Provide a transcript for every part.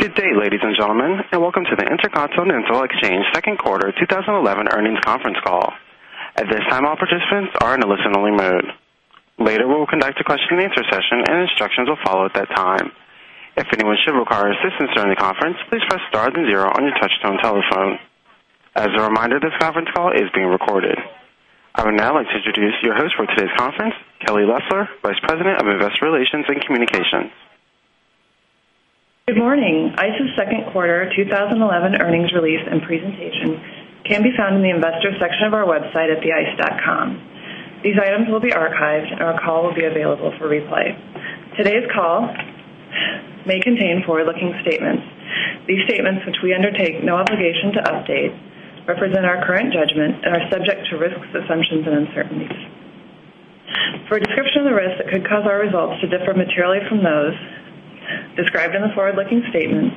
Good day, ladies and gentlemen, and welcome to the Intercontinental Exchange Second Quarter 2011 Earnings Conference Call. At this time, all participants are in a listen-only mode. Later, we will conduct a question-and-answer session, and instructions will follow at that time. If anyone should require assistance during the conference, please press star then zero on your touch-tone telephone. As a reminder, this conference call is being recorded. I would now like to introduce your host for today's conference, Kelly Loeffler, Vice President of Investor Relations and Communications. Good morning. ICE's Second Quarter 2011 Earnings Release and Presentation can be found in the Investor section of our website at theice.com. These items will be archived, and our call will be available for replay. Today's call may contain forward-looking statements. These statements, which we undertake no obligation to update, represent our current judgment and are subject to risks, assumptions, and uncertainties. For a description of the risks that could cause our results to differ materially from those described in the forward-looking statements,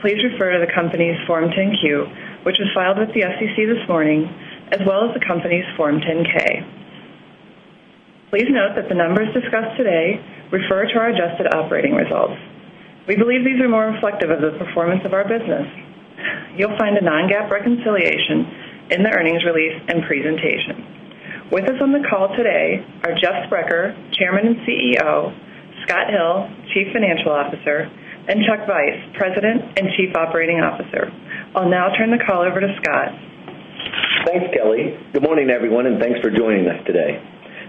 please refer to the company's Form 10-Q, which was filed with the SEC this morning, as well as the company's Form 10-K. Please note that the numbers discussed today refer to our adjusted operating results. We believe these are more reflective of the performance of our business. You'll find a non-GAAP reconciliation in the Earnings Release and Presentation. With us on the call today are Jeff Sprecher, Chairman and CEO; Scott Hill, Chief Financial Officer; and Chuck Vice, President and Chief Operating Officer. I'll now turn the call over to Scott. Thanks, Kelly. Good morning, everyone, and thanks for joining us today.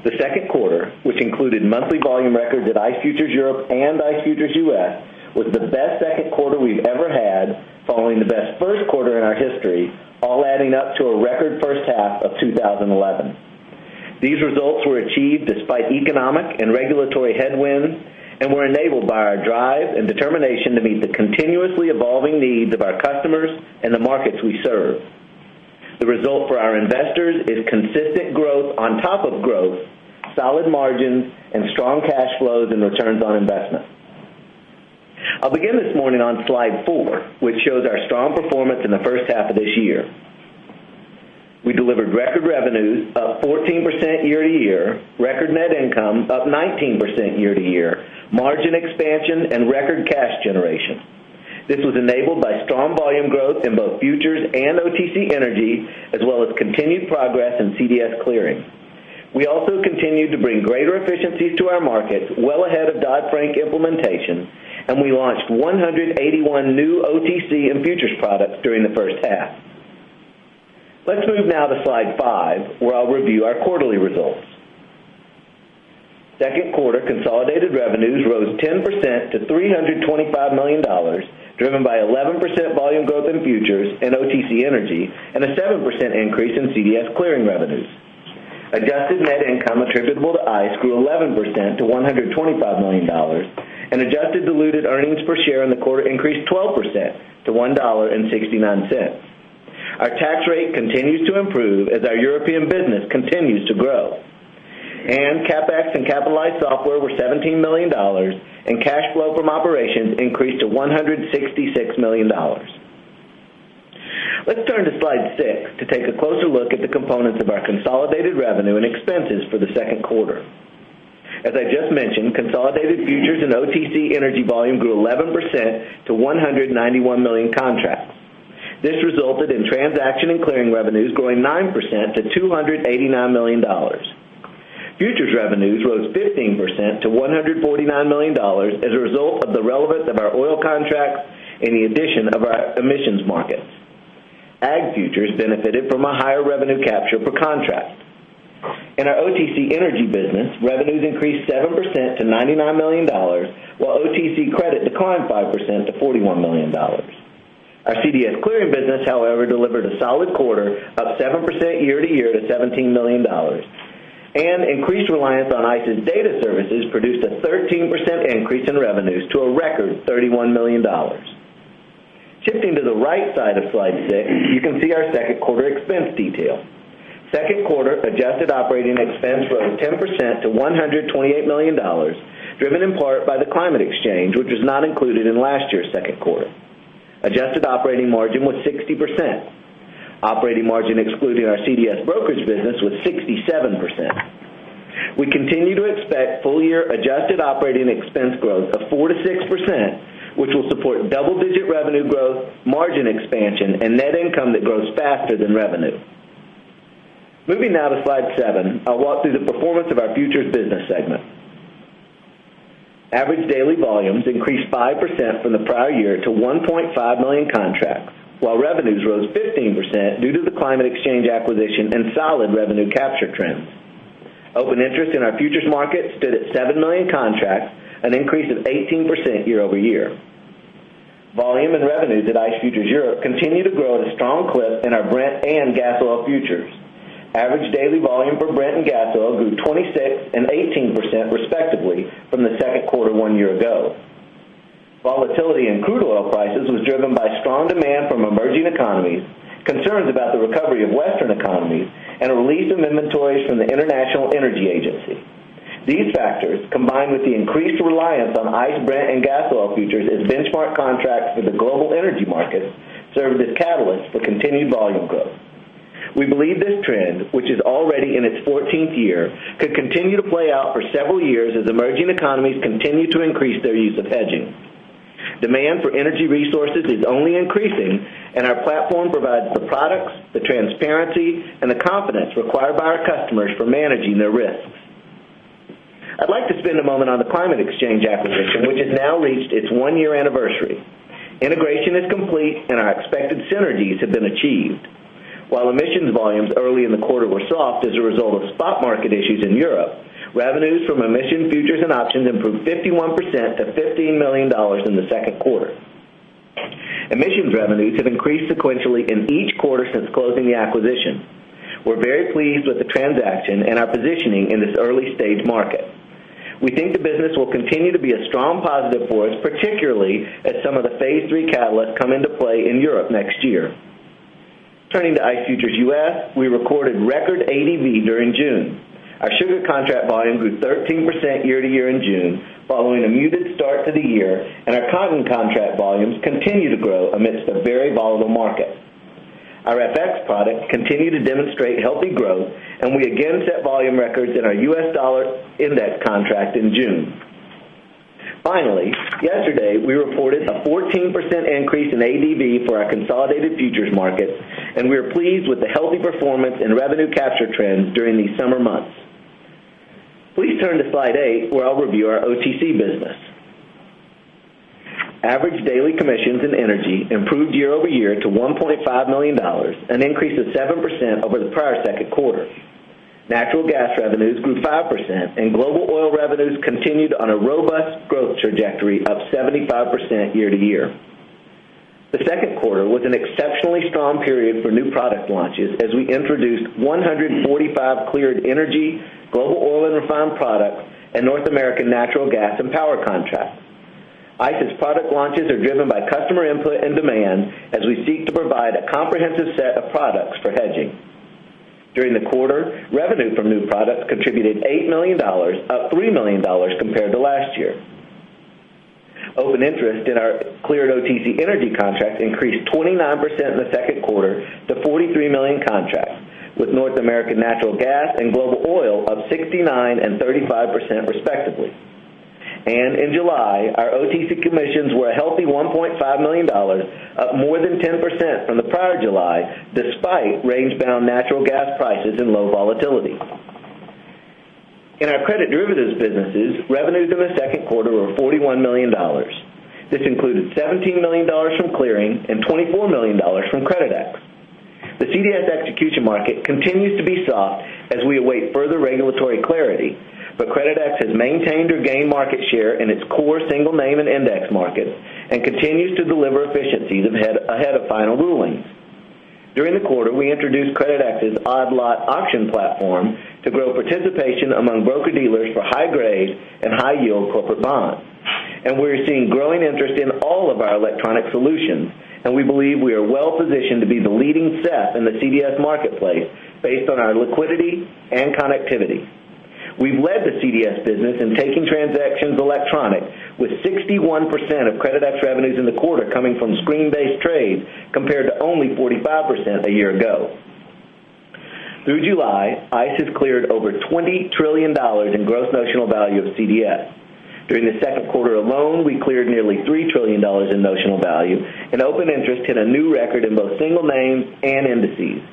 The second quarter, which included monthly volume records at ICE Futures Europe and ICE Futures US, was the best second quarter we've ever had, following the best third quarter in our history, all adding up to a record first half of 2011. These results were achieved despite economic and regulatory headwinds and were enabled by our drive and determination to meet the continuously evolving needs of our customers and the markets we serve. The result for our investors is consistent growth on top of growth, solid margins, and strong cash flows and returns on investment. I'll begin this morning on slide four, which shows our strong performance in the first half of this year. We delivered record revenues of 14% year-to-year, record net income of 19% year-to-year, margin expansion, and record cash generation. This was enabled by strong volume growth in both futures and OTC energy, as well as continued progress in CDS clearing. We also continued to bring greater efficiencies to our markets well ahead of Dodd-Frank implementation, and we launched 181 new OTC and futures products during the first half. Let's move now to slide five, where I'll review our quarterly results. Second quarter consolidated revenues rose 10% to $325 million, driven by 11% volume growth in futures and OTC energy and a 7% increase in CDS clearing revenues. Adjusted net income attributable to ICE grew 11% to $125 million, and adjusted diluted earnings per share in the quarter increased 12% to $1.69. Our tax rate continues to improve as our European business continues to grow. CapEx and capitalized software were $17 million, and cash flow from operations increased to $166 million. Let's turn to slide six to take a closer look at the components of our consolidated revenue and expenses for the second quarter. As I just mentioned, consolidated futures and OTC energy volume grew 11% to 191 million contracts. This resulted in transaction and clearing revenues growing 9% to $289 million. Futures revenues rose 15% to $149 million as a result of the relevance of our oil contracts and the addition of our emissions markets. Ag futures benefited from a higher revenue capture per contract. In our OTC energy business, revenues increased 7% to $99 million, while OTC credit declined 5% to $41 million. Our CDS clearing business, however, delivered a solid quarter of 7% year-to-year to $17 million, and increased reliance on ICE's data services produced a 13% increase in revenues to a record $31 million. Shifting to the right side of slide six, you can see our second quarter expense detail. Second quarter adjusted operating expense rose 10% to $128 million, driven in part by the Climate Exchange, which was not included in last year's second quarter. Adjusted operating margin was 60%. Operating margin excluding our CDS brokerage business was 67%. We continue to expect full-year adjusted operating expense growth of 4% to 6%, which will support double-digit revenue growth, margin expansion, and net income that grows faster than revenue. Moving now to slide seven, I'll walk through the performance of our futures business segment. Average daily volumes increased 5% from the prior year to 1.5 million contracts, while revenues rose 15% due to the Climate Exchange acquisition and solid revenue capture trends. Open interest in our futures market stood at 7 million contracts, an increase of 18% year-over-year. Volume and revenues at ICE Futures Europe continue to grow at a strong clip in our Brent and Gas Oil futures. Average daily volume for Brent and Gas Oil grew 26% and 18% respectively from the second quarter one year ago. Volatility in crude oil prices was driven by strong demand from emerging economies, concerns about the recovery of Western economies, and a release of inventories from the International Energy Agency. These factors, combined with the increased reliance on ICE Brent and Gas Oil futures as benchmark contracts for the global energy markets, served as catalysts for continued volume growth. We believe this trend, which is already in its 14th year, could continue to play out for several years as emerging economies continue to increase their use of hedging. Demand for energy resources is only increasing, and our platform provides the products, the transparency, and the confidence required by our customers for managing their risks. I'd like to spend a moment on the Climate Exchange acquisition, which has now reached its one-year anniversary. Integration is complete, and our expected synergies have been achieved. While emissions volumes early in the quarter were soft, as a result of spot market issues in Europe, revenues from emissions, futures, and options improved 51% to $15 million in the second quarter. Emissions-related revenues have increased sequentially in each quarter since closing the acquisition. We're very pleased with the transaction and our positioning in this early-stage market. We think the business will continue to be a strong positive for us, particularly as some of the phase three catalysts come into play in Europe next year. Turning to ICE Futures U.S., we recorded record ADV during June. Our sugar contract volume grew 13% year-to-year in June, following a muted start to the year, and our cotton contract volumes continue to grow amidst a very volatile market. Our FX product continued to demonstrate healthy growth, and we again set volume records in our U.S. dollar index contract in June. Finally, yesterday we reported a 14% increase in ADV for our consolidated futures market, and we are pleased with the healthy performance and revenue capture trends during these summer months. Please turn to slide eight, where I'll review our OTC business. Average daily commissions in energy improved year-over-year to $1.5 million and increased at 7% over the prior second quarter. Natural gas revenues grew 5%, and global oil revenues continued on a robust growth trajectory of 75% year-to-year. The second quarter was an exceptionally strong period for new product launches as we introduced 145 cleared energy, global oil and refined products, and North American natural gas and power contracts. ICE's product launches are driven by customer input and demand as we seek to provide a comprehensive set of products for hedging. During the quarter, revenue from new products contributed $8 million, up $3 million compared to last year. Open interest in our cleared OTC energy contract increased 29% in the second quarter to 43 million contracts, with North American natural gas and global oil up 69% and 35% respectively. In July, our OTC commissions were a healthy $1.5 million, up more than 10% from the prior July, despite range-bound natural gas prices and low volatility. In our credit derivatives businesses, revenues in the second quarter were $41 million. This included $17 million from clearing and $24 million from Creditex. The CDS execution market continues to be soft as we await further regulatory clarity, but Creditex has maintained or gained market share in its core single name and index market and continues to deliver efficiencies ahead of final rulings. During the quarter, we introduced Creditex's odd lot option platform to grow participation among broker-dealers for high-grade and high-yield corporate bonds. We're seeing growing interest in all of our electronic solutions, and we believe we are well-positioned to be the leading SEP in the CDS marketplace based on our liquidity and connectivity. We've led the CDS business in taking transactions electronic, with 61% of Creditex revenues in the quarter coming from screen-based trade compared to only 45% a year ago. Through July, Intercontinental Exchange has cleared over $20 trillion in gross notional value of CDS. During the second quarter alone, we cleared nearly $3 trillion in notional value, and open interest hit a new record in both single name and indices.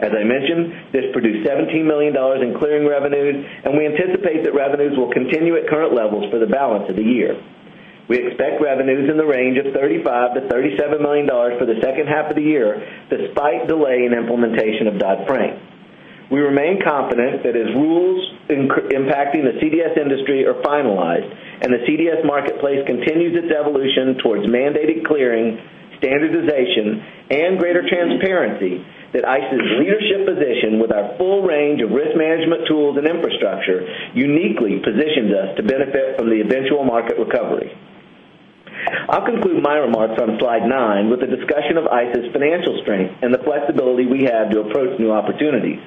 As I mentioned, this produced $17 million in clearing revenues, and we anticipate that revenues will continue at current levels for the balance of the year. We expect revenues in the range of $35 million to $37 million for the second half of the year, despite delay in implementation of Dodd-Frank. We remain confident that as rules impacting the CDS industry are finalized and the CDS marketplace continues its evolution towards mandated clearing, standardization, and greater transparency, that Intercontinental Exchange's leadership position with our full range of risk management tools and infrastructure uniquely positions us to benefit from the eventual market recovery. I'll conclude my remarks on slide nine with a discussion of Intercontinental Exchange's financial strength and the flexibility we have to approach new opportunities.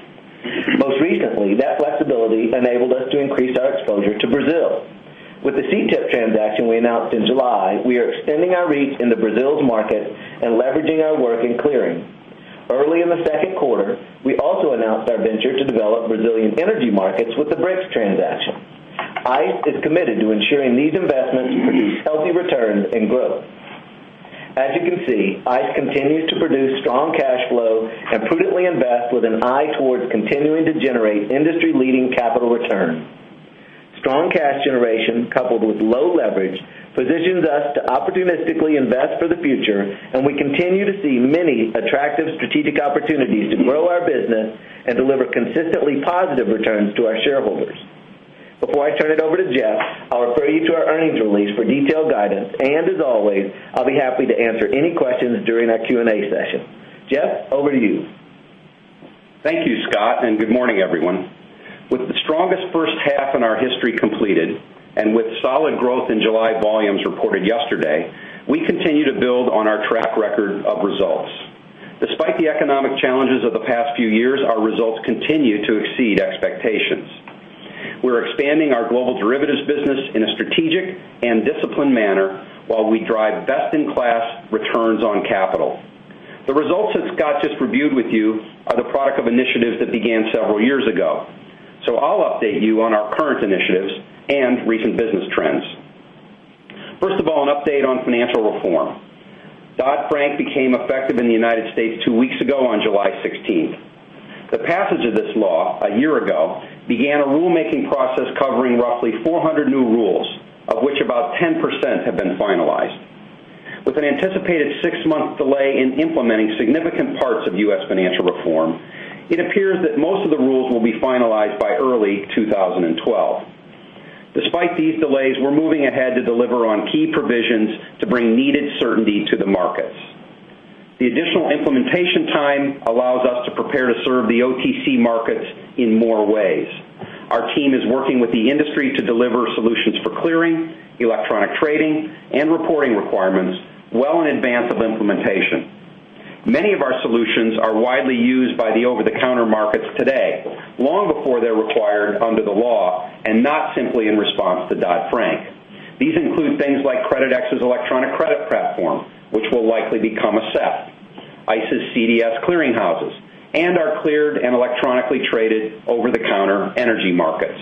Most recently, that flexibility enabled us to increase our exposure to Brazil. With the CETIP transaction we announced in July, we are extending our reach into Brazil's market and leveraging our work in clearing. Early in the second quarter, we also announced our venture to develop Brazilian energy markets with the BRIX transaction. Intercontinental Exchange is committed to ensuring these investments produce healthy returns and growth. As you can see, Intercontinental Exchange continues to produce strong cash flow and prudently invest with an eye towards continuing to generate industry-leading capital returns. Strong cash generation, coupled with low leverage, positions us to opportunistically invest for the future, and we continue to see many attractive strategic opportunities to grow our business and deliver consistently positive returns to our shareholders. Before I turn it over to Jeff, I'll refer you to our earnings release for detailed guidance, and as always, I'll be happy to answer any questions during our Q&A session. Jeff, over to you. Thank you, Scott, and good morning, everyone. With the strongest first half in our history completed and with solid growth in July volumes reported yesterday, we continue to build on our track record of results. Despite the economic challenges of the past few years, our results continue to exceed expectations. We're expanding our global derivatives business in a strategic and disciplined manner while we drive best-in-class returns on capital. The results that Scott just reviewed with you are the product of initiatives that began several years ago, so I'll update you on our current initiatives and recent business trends. First of all, an update on financial reform. Dodd-Frank became effective in the U.S. two weeks ago on July 16th. The passage of this law a year ago began a rulemaking process covering roughly 400 new rules, of which about 10% have been finalized. With an anticipated six-month delay in implementing significant parts of U.S. financial reform, it appears that most of the rules will be finalized by early 2012. Despite these delays, we're moving ahead to deliver on key provisions to bring needed certainty to the markets. The additional implementation time allows us to prepare to serve the OTC markets in more ways. Our team is working with the industry to deliver solutions for clearing, electronic trading, and reporting requirements well in advance of implementation. Many of our solutions are widely used by the OTC markets today, long before they're required under the law and not simply in response to Dodd-Frank. These include things like Creditex's electronic credit platform, which will likely become a SEP, ICE's CDS clearinghouses, and our cleared and electronically traded OTC energy markets.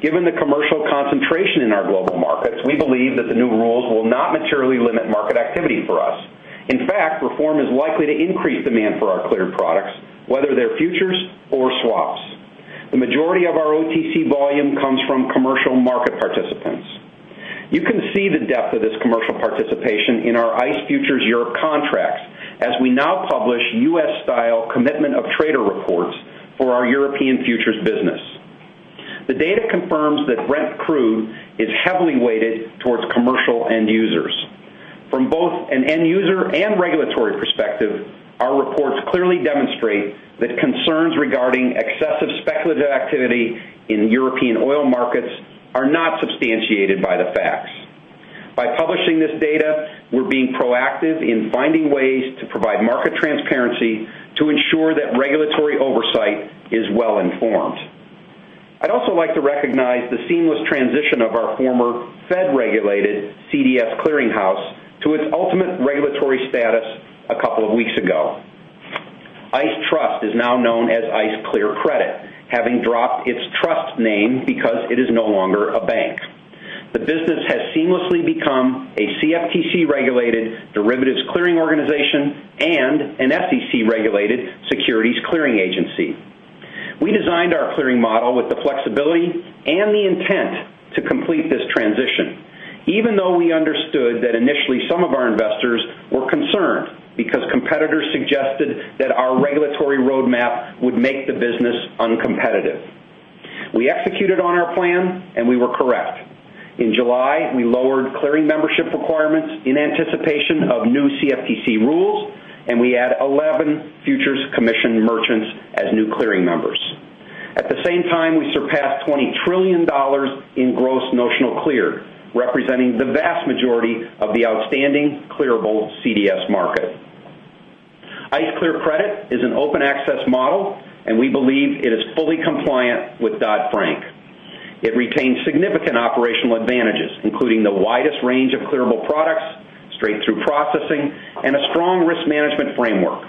Given the commercial concentration in our global markets, we believe that the new rules will not materially limit market activity for us. In fact, reform is likely to increase demand for our cleared products, whether they're futures or swaps. The majority of our OTC volume comes from commercial market participants. You can see the depth of this commercial participation in our ICE Futures Europe contracts as we now publish U.S.-style Commitment of Trader reports for our European futures business. The data confirms that Brent crude is heavily weighted towards commercial end users. From both an end user and regulatory perspective, our reports clearly demonstrate that concerns regarding excessive speculative activity in European oil markets are not substantiated by the facts. By publishing this data, we're being proactive in finding ways to provide market transparency to ensure that regulatory oversight is well informed. I'd also like to recognize the seamless transition of our former Fed-regulated CDS clearinghouse to its ultimate regulatory status a couple of weeks ago. ICE Trust is now known as ICE Clear Credit, having dropped its trust name because it is no longer a bank. The business has seamlessly become a CFTC-regulated derivatives clearing organization and an SEC-regulated securities clearing agency. We designed our clearing model with the flexibility and the intent to complete this transition, even though we understood that initially some of our investors were concerned because competitors suggested that our regulatory roadmap would make the business uncompetitive. We executed on our plan, and we were correct. In July, we lowered clearing membership requirements in anticipation of new CFTC rules, and we add 11 futures commission merchants as new clearing members. At the same time, we surpassed $20 trillion in gross notional cleared, representing the vast majority of the outstanding clearable CDS market. ICE Clear Credit is an open-access model, and we believe it is fully compliant with Dodd-Frank. It retains significant operational advantages, including the widest range of clearable products, straight-through processing, and a strong risk management framework.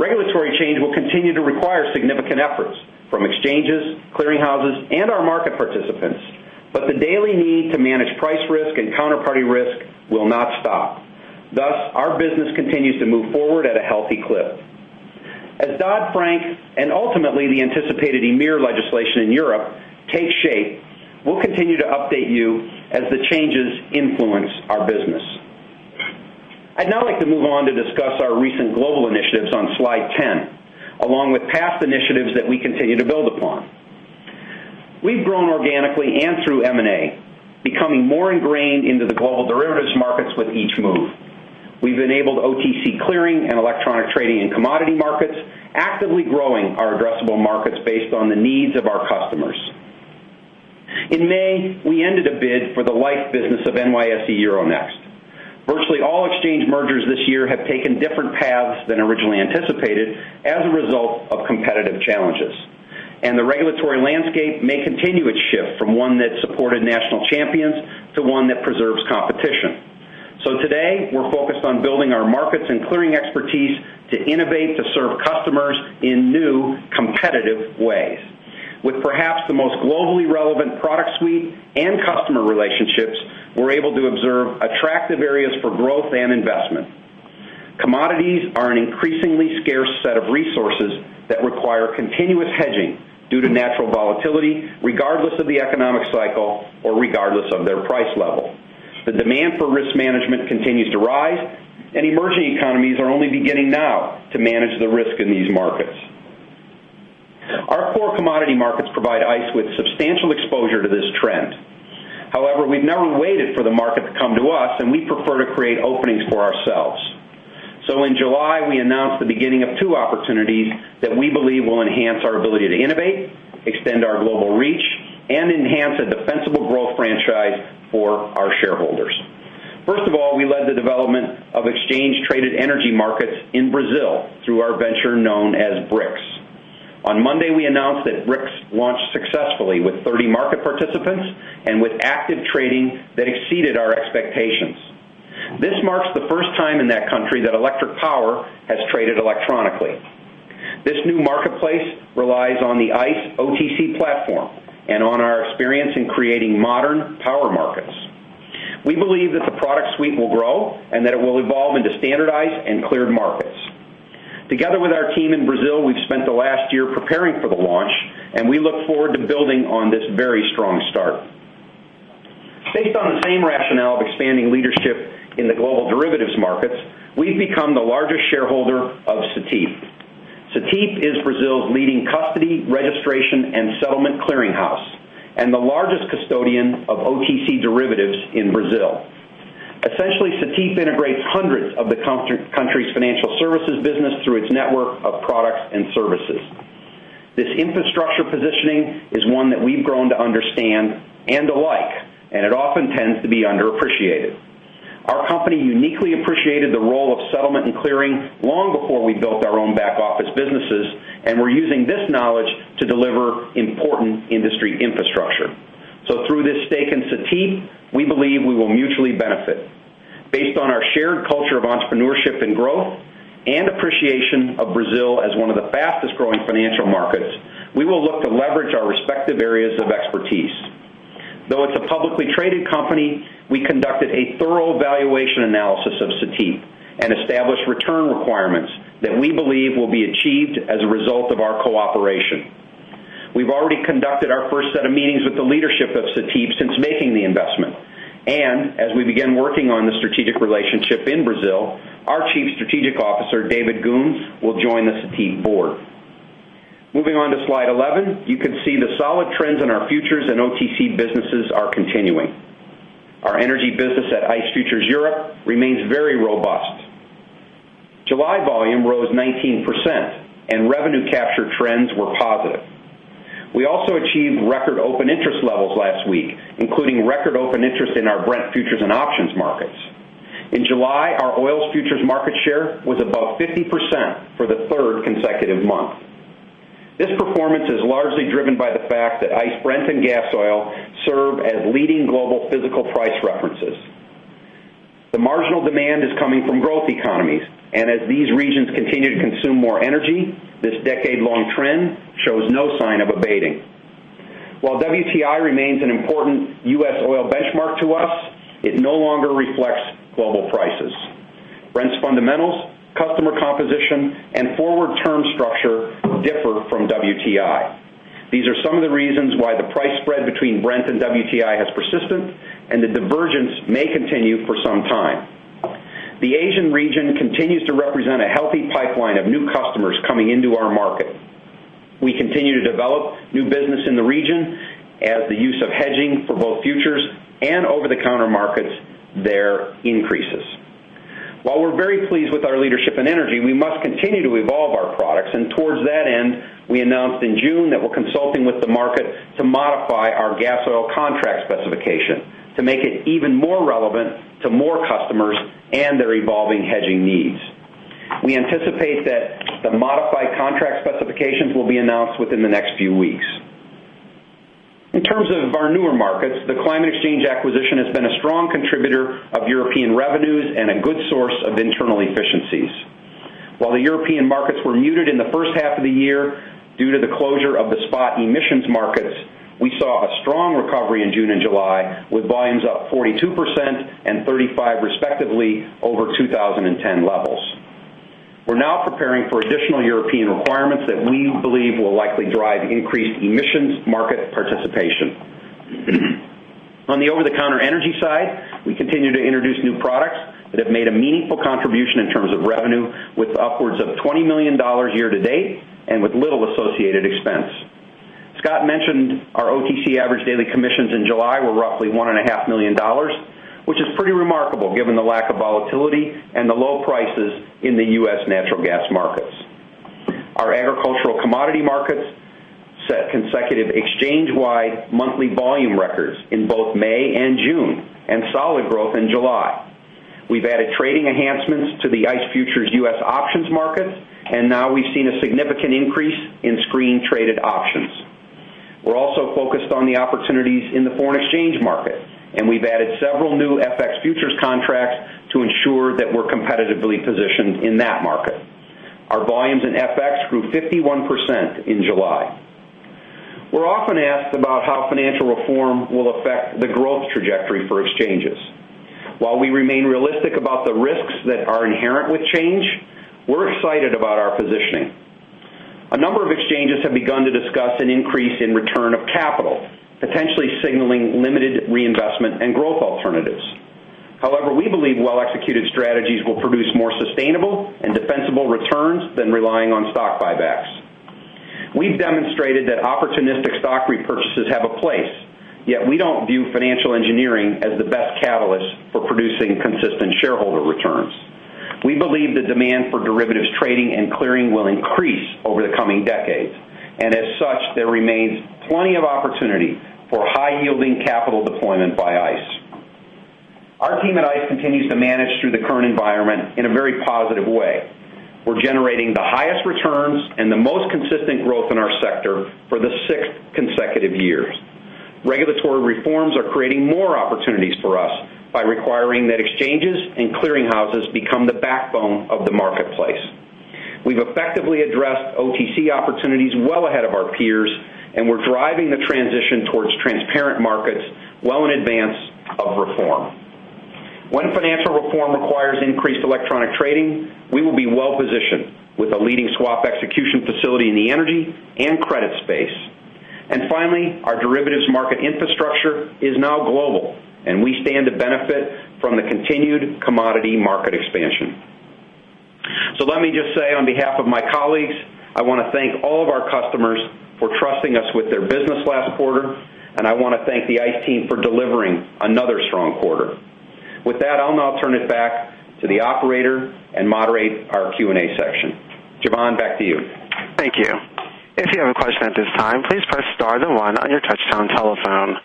Regulatory change will continue to require significant efforts from exchanges, clearinghouses, and our market participants, but the daily need to manage price risk and counterparty risk will not stop. Thus, our business continues to move forward at a healthy clip as Dodd-Frank and ultimately the anticipated EMEA legislation in Europe take shape. We'll continue to update you as the changes influence our business. I'd now like to move on to discuss our recent global initiatives on slide 10, along with past initiatives that we continue to build upon. We've grown organically and through M&A, becoming more ingrained into the global derivatives markets with each move. We've enabled OTC clearing and electronic trading in commodity markets, actively growing our addressable markets based on the needs of our customers. In May, we ended a bid for the life business of NYSE Euronext. Virtually all exchange mergers this year have taken different paths than originally anticipated as a result of competitive challenges, and the regulatory landscape may continue its shift from one that supported national champions to one that preserves competition. Today, we're focused on building our markets and clearing expertise to innovate to serve customers in new competitive ways. With perhaps the most globally relevant product suite and customer relationships, we're able to observe attractive areas for growth and investment. Commodities are an increasingly scarce set of resources that require continuous hedging due to natural volatility, regardless of the economic cycle or regardless of their price level. The demand for risk management continues to rise, and emerging economies are only beginning now to manage the risk in these markets. Our core commodity markets provide Intercontinental Exchange with substantial exposure to this trend. However, we've never waited for the market to come to us, and we prefer to create openings for ourselves. In July, we announced the beginning of two opportunities that we believe will enhance our ability to innovate, extend our global reach, and enhance a defensible growth franchise for our shareholders. First of all, we led the development of exchange-traded energy markets in Brazil through our venture known as BRIX. On Monday, we announced that BRIX launched successfully with 30 market participants and with active trading that exceeded our expectations. This marks the first time in that country that electric power has traded electronically. This new marketplace relies on the ICE OTC platform and on our experience in creating modern power markets. We believe that the product suite will grow and that it will evolve into standardized and cleared markets. Together with our team in Brazil, we've spent the last year preparing for the launch, and we look forward to building on this very strong start. Based on the same rationale of expanding leadership in the global derivatives markets, we've become the largest shareholder of CETIP. CETIP is Brazil's leading custody, registration, and settlement clearinghouse and the largest custodian of OTC derivatives in Brazil. Essentially, CETIP integrates hundreds of the country's financial services business through its network of products and services. This infrastructure positioning is one that we've grown to understand and to like, and it often tends to be underappreciated. Our company uniquely appreciated the role of settlement and clearing long before we built our own back-office businesses, and we're using this knowledge to deliver important industry infrastructure. Through this stake in CETIP, we believe we will mutually benefit. Based on our shared culture of entrepreneurship and growth and appreciation of Brazil as one of the fastest growing financial markets, we will look to leverage our respective areas of expertise. Though it's a publicly traded company, we conducted a thorough valuation analysis of CETIP and established return requirements that we believe will be achieved as a result of our cooperation. We've already conducted our first set of meetings with the leadership of CETIP since making the investment, and as we begin working on the strategic relationship in Brazil, our Chief Strategic Officer, David Goone, will join the CETIP board. Moving on to slide 11, you can see the solid trends in our futures and OTC businesses are continuing. Our energy business at ICE Futures Europe remains very robust. July volume rose 19%, and revenue capture trends were positive. We also achieved record open interest levels last week, including record open interest in our Brent futures and options markets. In July, our oil's futures market share was above 50% for the third consecutive month. This performance is largely driven by the fact that ICE Brent and Gas Oil serve as leading global physical price references. The marginal demand is coming from growth economies, and as these regions continue to consume more energy, this decade-long trend shows no sign of abating. While WTI remains an important U.S. oil benchmark to us, it no longer reflects global prices. Brent's fundamentals, customer composition, and forward term structure differ from WTI. These are some of the reasons why the price spread between Brent and WTI has persisted, and the divergence may continue for some time. The Asian region continues to represent a healthy pipeline of new customers coming into our market. We continue to develop new business in the region as the use of hedging for both futures and over-the-counter markets increases. While we're very pleased with our leadership in energy, we must continue to evolve our products, and towards that end, we announced in June that we're consulting with the market to modify our Gas Oil contract specification to make it even more relevant to more customers and their evolving hedging needs. We anticipate that the modified contract specifications will be announced within the next few weeks. In terms of our newer markets, the Climate Exchange acquisition has been a strong contributor of European revenues and a good source of internal efficiencies. While the European markets were muted in the first half of the year due to the closure of the spot emissions markets, we saw a strong recovery in June and July, with volumes up 42% and 35% respectively over 2010 levels. We're now preparing for additional European requirements that we believe will likely drive increased emissions market participation. On the over-the-counter energy side, we continue to introduce new products that have made a meaningful contribution in terms of revenue, with upwards of $20 million year to date and with little associated expense. Scott mentioned our OTC average daily commissions in July were roughly $1.5 million, which is pretty remarkable given the lack of volatility and the low prices in the U.S. natural gas markets. Our agricultural commodity markets set consecutive exchange-wide monthly volume records in both May and June and solid growth in July. We've added trading enhancements to the ICE Futures US options markets, and now we've seen a significant increase in screen-traded options. We're also focused on the opportunities in the foreign exchange markets, and we've added several new FX futures contracts to ensure that we're competitively positioned in that market. Our volumes in FX grew 51% in July. We're often asked about how financial reform will affect the growth trajectory for exchanges. While we remain realistic about the risks that are inherent with change, we're excited about our positioning. A number of exchanges have begun to discuss an increase in return of capital, potentially signaling limited reinvestment and growth alternatives. However, we believe well-executed strategies will produce more sustainable and defensible returns than relying on stock buybacks. We've demonstrated that opportunistic stock repurchases have a place, yet we don't view financial engineering as the best catalyst for producing consistent shareholder returns. We believe the demand for derivatives trading and clearing will increase over the coming decades, and as such, there remains plenty of opportunity for high-yielding capital deployment by ICE. Our team at ICE continues to manage through the current environment in a very positive way. We're generating the highest returns and the most consistent growth in our sector for the six consecutive years. Regulatory reforms are creating more opportunities for us by requiring that exchanges and clearinghouses become the backbone of the marketplace. We've effectively addressed OTC opportunities well ahead of our peers, and we're driving the transition towards transparent markets well in advance of reform. When financial reform requires increased electronic trading, we will be well-positioned with a leading swap execution facility in the energy and credit space. Finally, our derivatives market infrastructure is now global, and we stand to benefit from the continued commodity market expansion. Let me just say, on behalf of my colleagues, I want to thank all of our customers for trusting us with their business last quarter, and I want to thank the ICE team for delivering another strong quarter. With that, I'll now turn it back to the operator and moderate our Q&A session. Javon, back to you. Thank you. If you have a question at this time, please press star then one on your touch-tone telephone.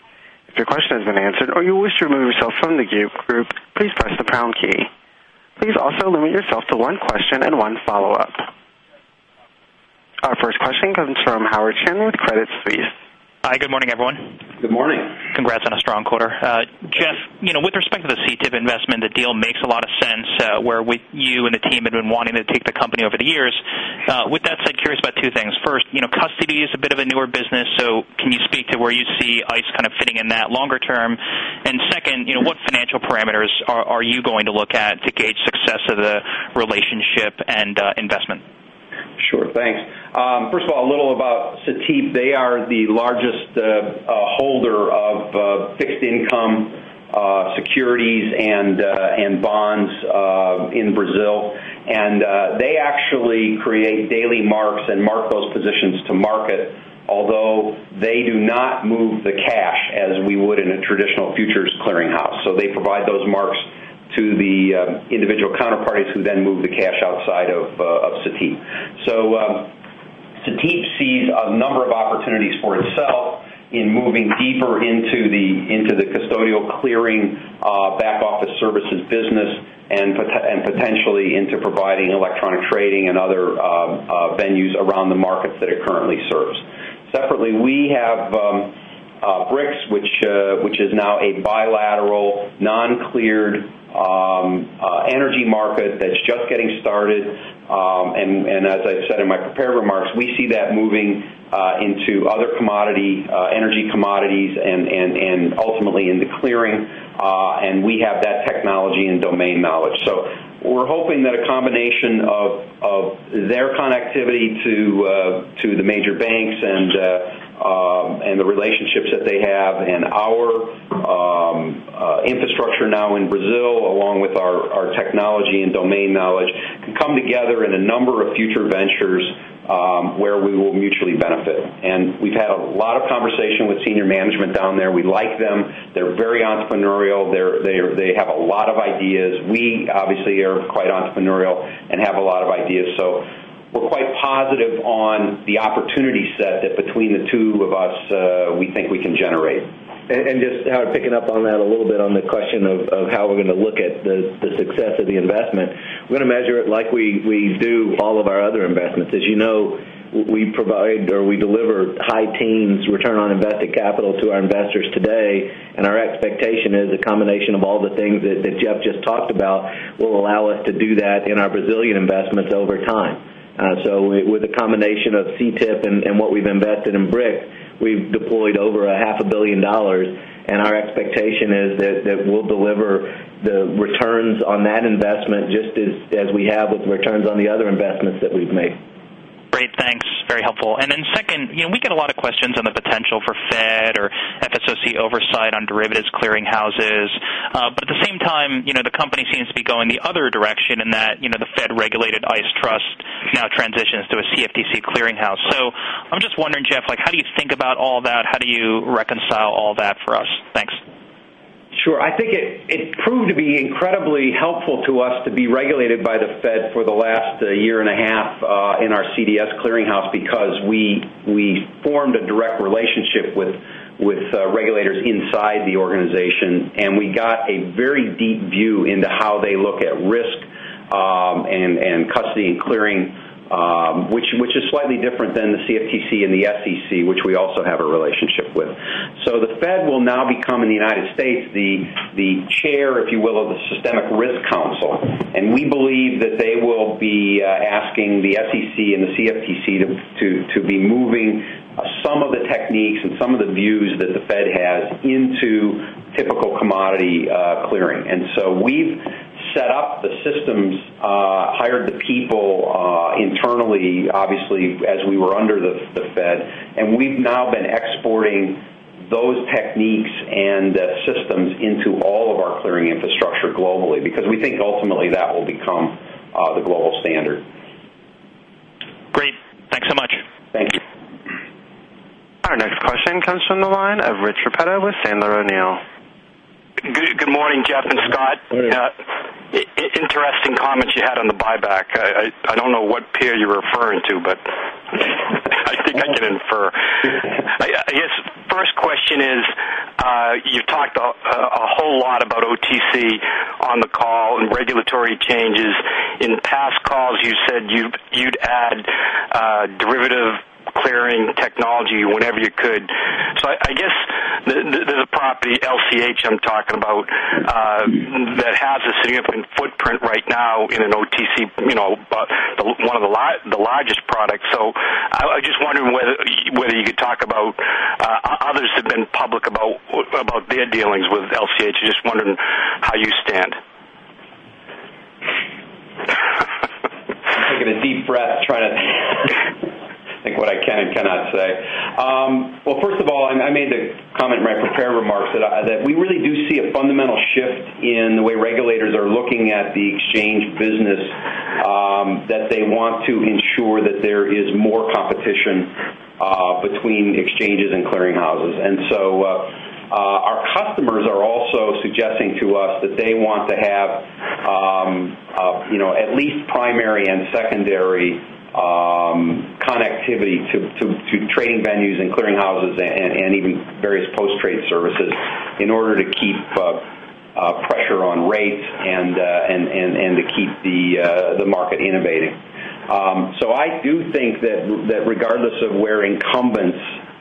If your question has been answered or you wish to remove yourself from the group, please press the pound key. Please also limit yourself to one question and one follow-up. Our first question comes from Howard Chen with Credit Suisse. Hi, good morning, everyone. Good morning. Congrats on a strong quarter. Jeff, you know, with respect to the CETIP investment, the deal makes a lot of sense where you and the team have been wanting to take the company over the years. With that said, curious about two things. First, you know, custody is a bit of a newer business, so can you speak to where you see ICE kind of fitting in that longer term? Second, you know, what financial parameters are you going to look at to gauge success of the relationship and investment? Sure, thanks. First of all, a little about CETIP. They are the largest holder of fixed income securities and bonds in Brazil, and they actually create daily marks and mark those positions to market, although they do not move the cash as we would in a traditional futures clearinghouse. They provide those marks to the individual counterparties who then move the cash outside of CETIP. CETIP sees a number of opportunities for itself in moving deeper into the custodial clearing back-office services business and potentially into providing electronic trading and other venues around the markets that it currently serves. Separately, we have BRIX, which is now a bilateral non-cleared energy market that's just getting started. As I said in my prepared remarks, we see that moving into other energy commodities and ultimately into clearing, and we have that technology and domain knowledge. We're hoping that a combination of their connectivity to the major banks and the relationships that they have and our infrastructure now in Brazil, along with our technology and domain knowledge, can come together in a number of future ventures where we will mutually benefit. We've had a lot of conversation with senior management down there. We like them. They're very entrepreneurial. They have a lot of ideas. We obviously are quite entrepreneurial and have a lot of ideas, so we're quite positive on the opportunity set that between the two of us we think we can generate. Just picking up on that a little bit on the question of how we're going to look at the success of the investment, we're going to measure it like we do all of our other investments. As you know, we provide or we deliver high-teens return on invested capital to our investors today, and our expectation is a combination of all the things that Jeff just talked about will allow us to do that in our Brazilian investments over time. With a combination of CETIP and what we've invested in BRIX, we've deployed over $500 million, and our expectation is that we'll deliver the returns on that investment just as we have with the returns on the other investments that we've made. Great, thanks. Very helpful. We get a lot of questions on the potential for Fed or FSOC oversight on derivatives clearinghouses. At the same time, the company seems to be going the other direction in that the Fed-regulated ICE Trust now transitions to a CFTC clearinghouse. I'm just wondering, Jeff, how do you think about all that? How do you reconcile all that for us? Thanks. Sure. I think it proved to be incredibly helpful to us to be regulated by the Fed for the last year and a half in our CDS clearinghouse because we formed a direct relationship with regulators inside the organization, and we got a very deep view into how they look at risk and custody and clearing, which is slightly different than the CFTC and the SEC, which we also have a relationship with. The Fed will now become, in the U.S., the chair, if you will, of the Systemic Risk Council, and we believe that they will be asking the SEC and the CFTC to be moving some of the techniques and some of the views that the Fed has into typical commodity clearing. We have set up the systems, hired the people internally, obviously, as we were under the Fed, and we have now been exporting those techniques and systems into all of our clearing infrastructure globally because we think ultimately that will become the global standard. Great, thanks so much. Thank you. Our next question comes from the line of Rich Repetto with Sandler O'Neill. Good morning, Jeff and Scott. Morning. Interesting comments you had on the buyback. I don't know what peer you're referring to, but I think I can infer. I guess the first question is, you've talked a whole lot about OTC on the call and regulatory changes. In past calls, you said you'd add derivative clearing technology whenever you could. I guess the property LCH I'm talking about that has a significant footprint right now in an OTC, you know, one of the largest products. I'm just wondering whether you could talk about others that have been public about their dealings with LCH. I'm just wondering how you stand. I'm taking a deep breath trying to think what I can and cannot say. First of all, I made the comment in my prepared remarks that we really do see a fundamental shift in the way regulators are looking at the exchange business, that they want to ensure that there is more competition between exchanges and clearinghouses. Our customers are also suggesting to us that they want to have, you know, at least primary and secondary connectivity to trading venues and clearinghouses and even various post-trade services in order to keep pressure on rates and to keep the market innovating. I do think that regardless of where incumbents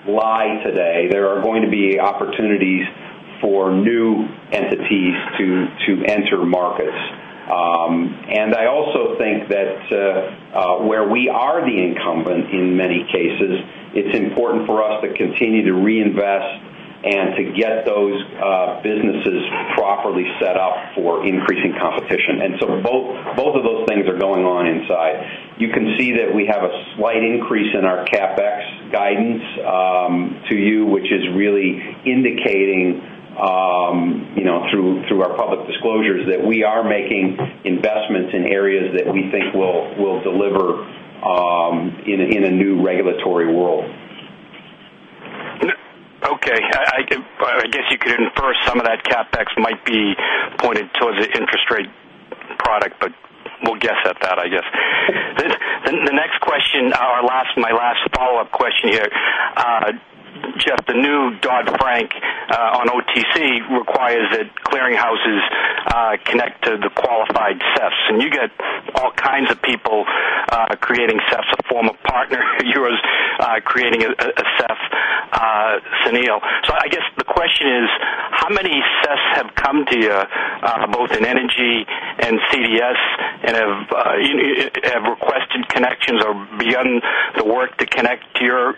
lie today, there are going to be opportunities for new entities to enter markets. I also think that where we are the incumbent in many cases, it's important for us to continue to reinvest and to get those businesses properly set up for increasing competition. Both of those things are going on inside. You can see that we have a slight increase in our CapEx guidance to you, which is really indicating, you know, through our public disclosures that we are making investments in areas that we think will deliver in a new regulatory world. Okay. I guess you could infer some of that CapEx might be pointed towards the interest rate product, but we'll guess at that, I guess. The next question, my last follow-up question here, Jeff, the new Dodd-Frank on OTC requires that clearinghouses connect to the qualified SEFs, and you get all kinds of people creating SEFs. A former partner of yours creating a SEF, Sunil. I guess the question is, how many SEFs have come to you, both in energy and CDS, and have requested connections or begun the work to connect to your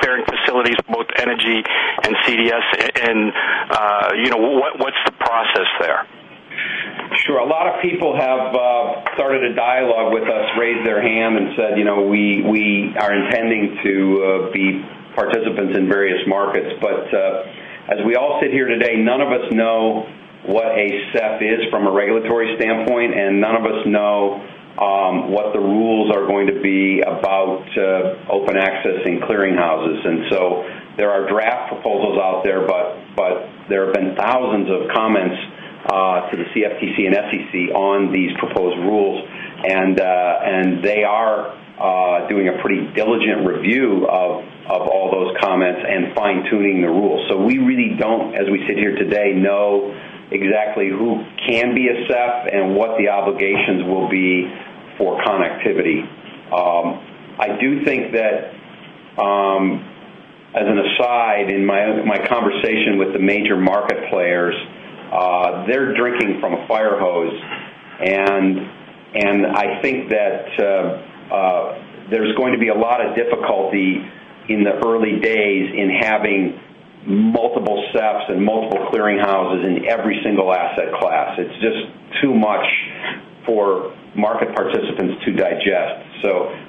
clearing facilities, both energy and CDS? You know, what's the process there? Sure. A lot of people have started a dialogue with us, raised their hand, and said, you know, we are intending to be participants in various markets. As we all sit here today, none of us know what a SEF is from a regulatory standpoint, and none of us know what the rules are going to be about open access and clearinghouses. There are draft proposals out there, but there have been thousands of comments to the CFTC and SEC on these proposed rules, and they are doing a pretty diligent review of all those comments and fine-tuning the rules. We really don't, as we sit here today, know exactly who can be a SEF and what the obligations will be for connectivity. I do think that, as an aside, in my conversation with the major market players, they're drinking from a fire hose, and I think that there's going to be a lot of difficulty in the early days in having multiple SEFs and multiple clearinghouses in every single asset class. It's just too much for market participants to digest.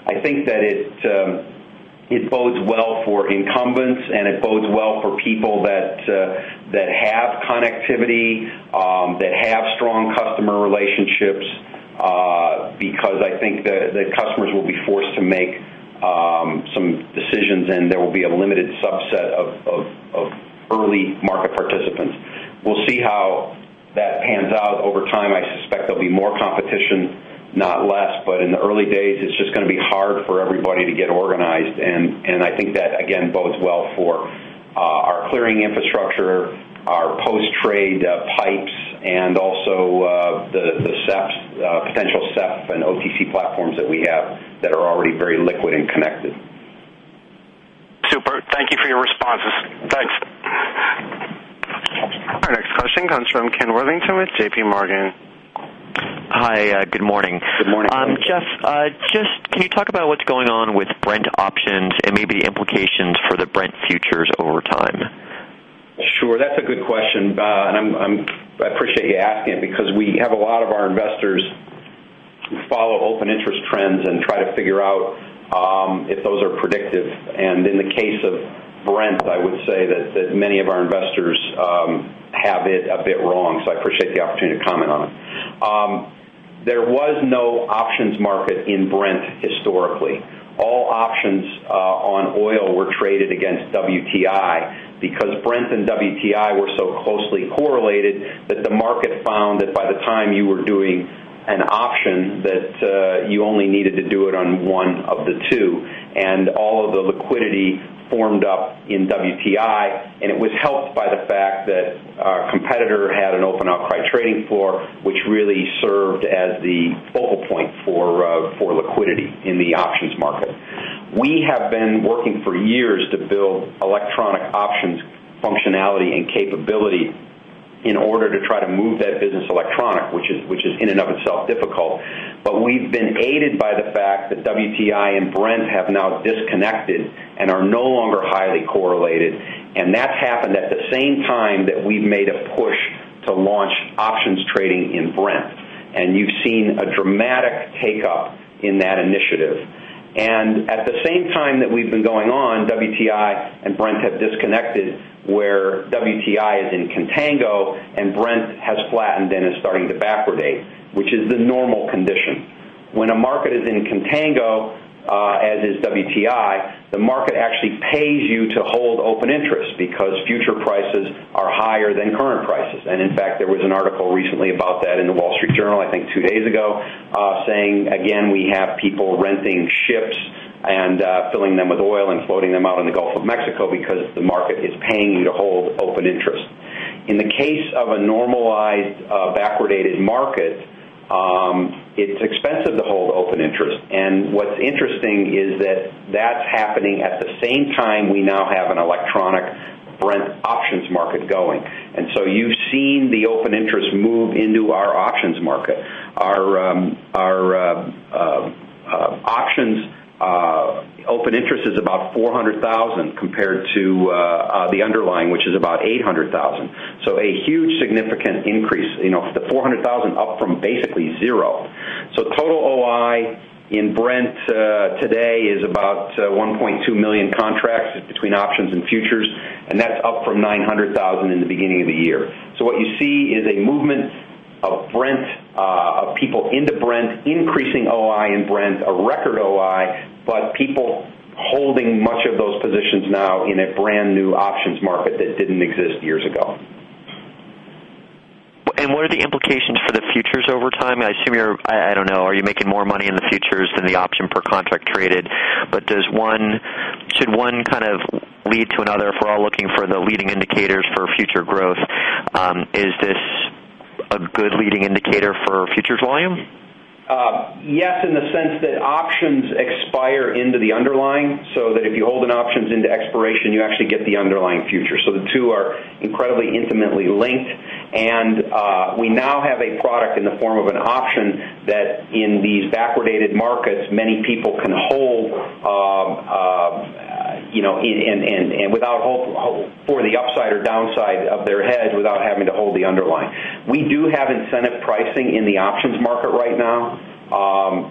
I think that it bodes well for incumbents, and it bodes well for people that have connectivity, that have strong customer relationships, because I think that customers will be forced to make some decisions, and there will be a limited subset of early market participants. We'll see how that pans out over time. I suspect there'll be more competition, not less, but in the early days, it's just going to be hard for everybody to get organized, and I think that, again, bodes well for our clearing infrastructure, our post-trade pipes, and also the potential SEF and OTC platforms that we have that are already very liquid and connected. Super. Thank you for your responses. Thanks. Our next question comes from Ken Worthington with JPMorgan. Hi, good morning. Good morning. Jeff, can you talk about what's going on with Brent options and maybe the implications for the Brent futures over time? Sure. That's a good question, and I appreciate you asking it because we have a lot of our investors who follow open interest trends and try to figure out if those are predictive. In the case of Brent, I would say that many of our investors have it a bit wrong, so I appreciate the opportunity to comment on them. There was no options market in Brent historically. All options on oil were traded against WTI because Brent and WTI were so closely correlated that the market found that by the time you were doing an option, you only needed to do it on one of the two, and all of the liquidity formed up in WTI. It was helped by the fact that our competitor had an open outcry trading floor, which really served as the focal point for liquidity in the options market. We have been working for years to build electronic options functionality and capability in order to try to move that business electronic, which is in and of itself difficult. We've been aided by the fact that WTI and Brent have now disconnected and are no longer highly correlated, and that's happened at the same time that we've made a push to launch options trading in Brent. You've seen a dramatic takeoff in that initiative. At the same time that we've been going on, WTI and Brent have disconnected where WTI is in contango and Brent has flattened and is starting to backwardate, which is the normal condition. When a market is in contango, as is WTI, the market actually pays you to hold open interest because future prices are higher than current prices. In fact, there was an article recently about that in The Wall Street Journal, I think two days ago, saying again we have people renting ships and filling them with oil and floating them out in the Gulf of Mexico because the market is paying you to hold open interest. In the case of a normalized backwardated market, it's expensive to hold open interest, and what's interesting is that that's happening at the same time we now have an electronic Brent options market going. You've seen the open interest move into our options market. Our options open interest is about 400,000 compared to the underlying, which is about 800,000. A huge significant increase, the 400,000 up from basically zero. Total OI in Brent today is about 1.2 million contracts between options and futures, and that's up from 900,000 in the beginning of the year. What you see is a movement of Brent, of people into Brent, increasing OI in Brent, a record OI, but people holding much of those positions now in a brand new options market that didn't exist years ago. What are the implications for the futures over time? I assume you're, I don't know, are you making more money in the futures than the option per contract traded, but should one kind of lead to another? If we're all looking for the leading indicators for future growth, is this a good leading indicator for futures volume? Yes, in the sense that options expire into the underlying, so that if you hold an option into expiration, you actually get the underlying future. The two are incredibly intimately linked, and we now have a product in the form of an option that in these backwardated markets, many people can hold for the upside or downside of their hedge without having to hold the underlying. We do have incentive pricing in the options market right now.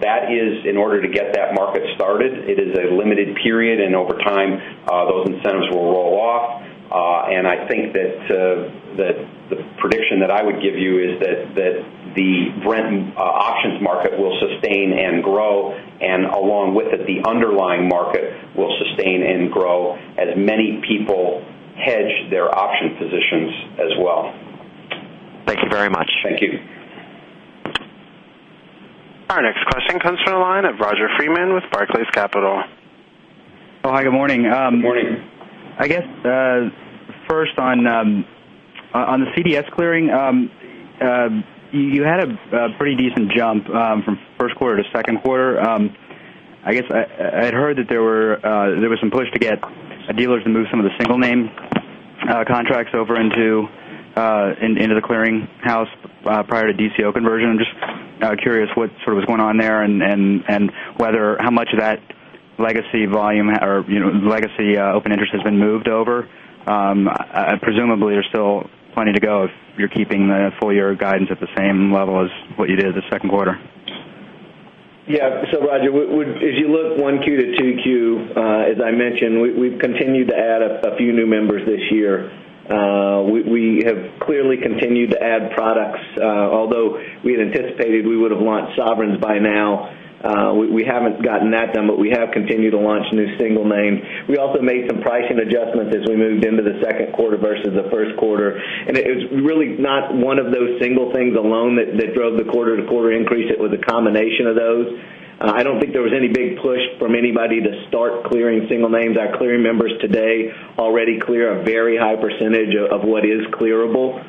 That is in order to get that market started. It is a limited period, and over time, those incentives will roll off. I think that the prediction that I would give you is that the Brent options market will sustain and grow, and along with it, the underlying market will sustain and grow as many people hedge their option positions as well. Thank you very much. Thank you. Our next question comes from the line of Roger Freeman with Barclays. Oh, hi. Good morning. Morning. I guess first on the CDS clearing, you had a pretty decent jump from first quarter to second quarter. I guess I had heard that there was some push to get dealers to move some of the single name contracts over into the clearinghouse prior to DCO conversion. I'm just curious what sort of was going on there and whether how much of that legacy volume or, you know, legacy open interest has been moved over. Presumably, there's still plenty to go if you're keeping the full year of guidance at the same level as what you did at the second quarter. Yeah. Roger, as you look 1Q-2Q, as I mentioned, we've continued to add a few new members this year. We have clearly continued to add products, although we had anticipated we would have launched Sovereigns by now. We haven't gotten that done, but we have continued to launch new single name. We also made some pricing adjustments as we moved into the second quarter versus the first quarter, and it was really not one of those single things alone that drove the quarter-to-quarter increase. It was a combination of those. I don't think there was any big push from anybody to start clearing single names. Our clearing members today already clear a very high percentage of what is clearable.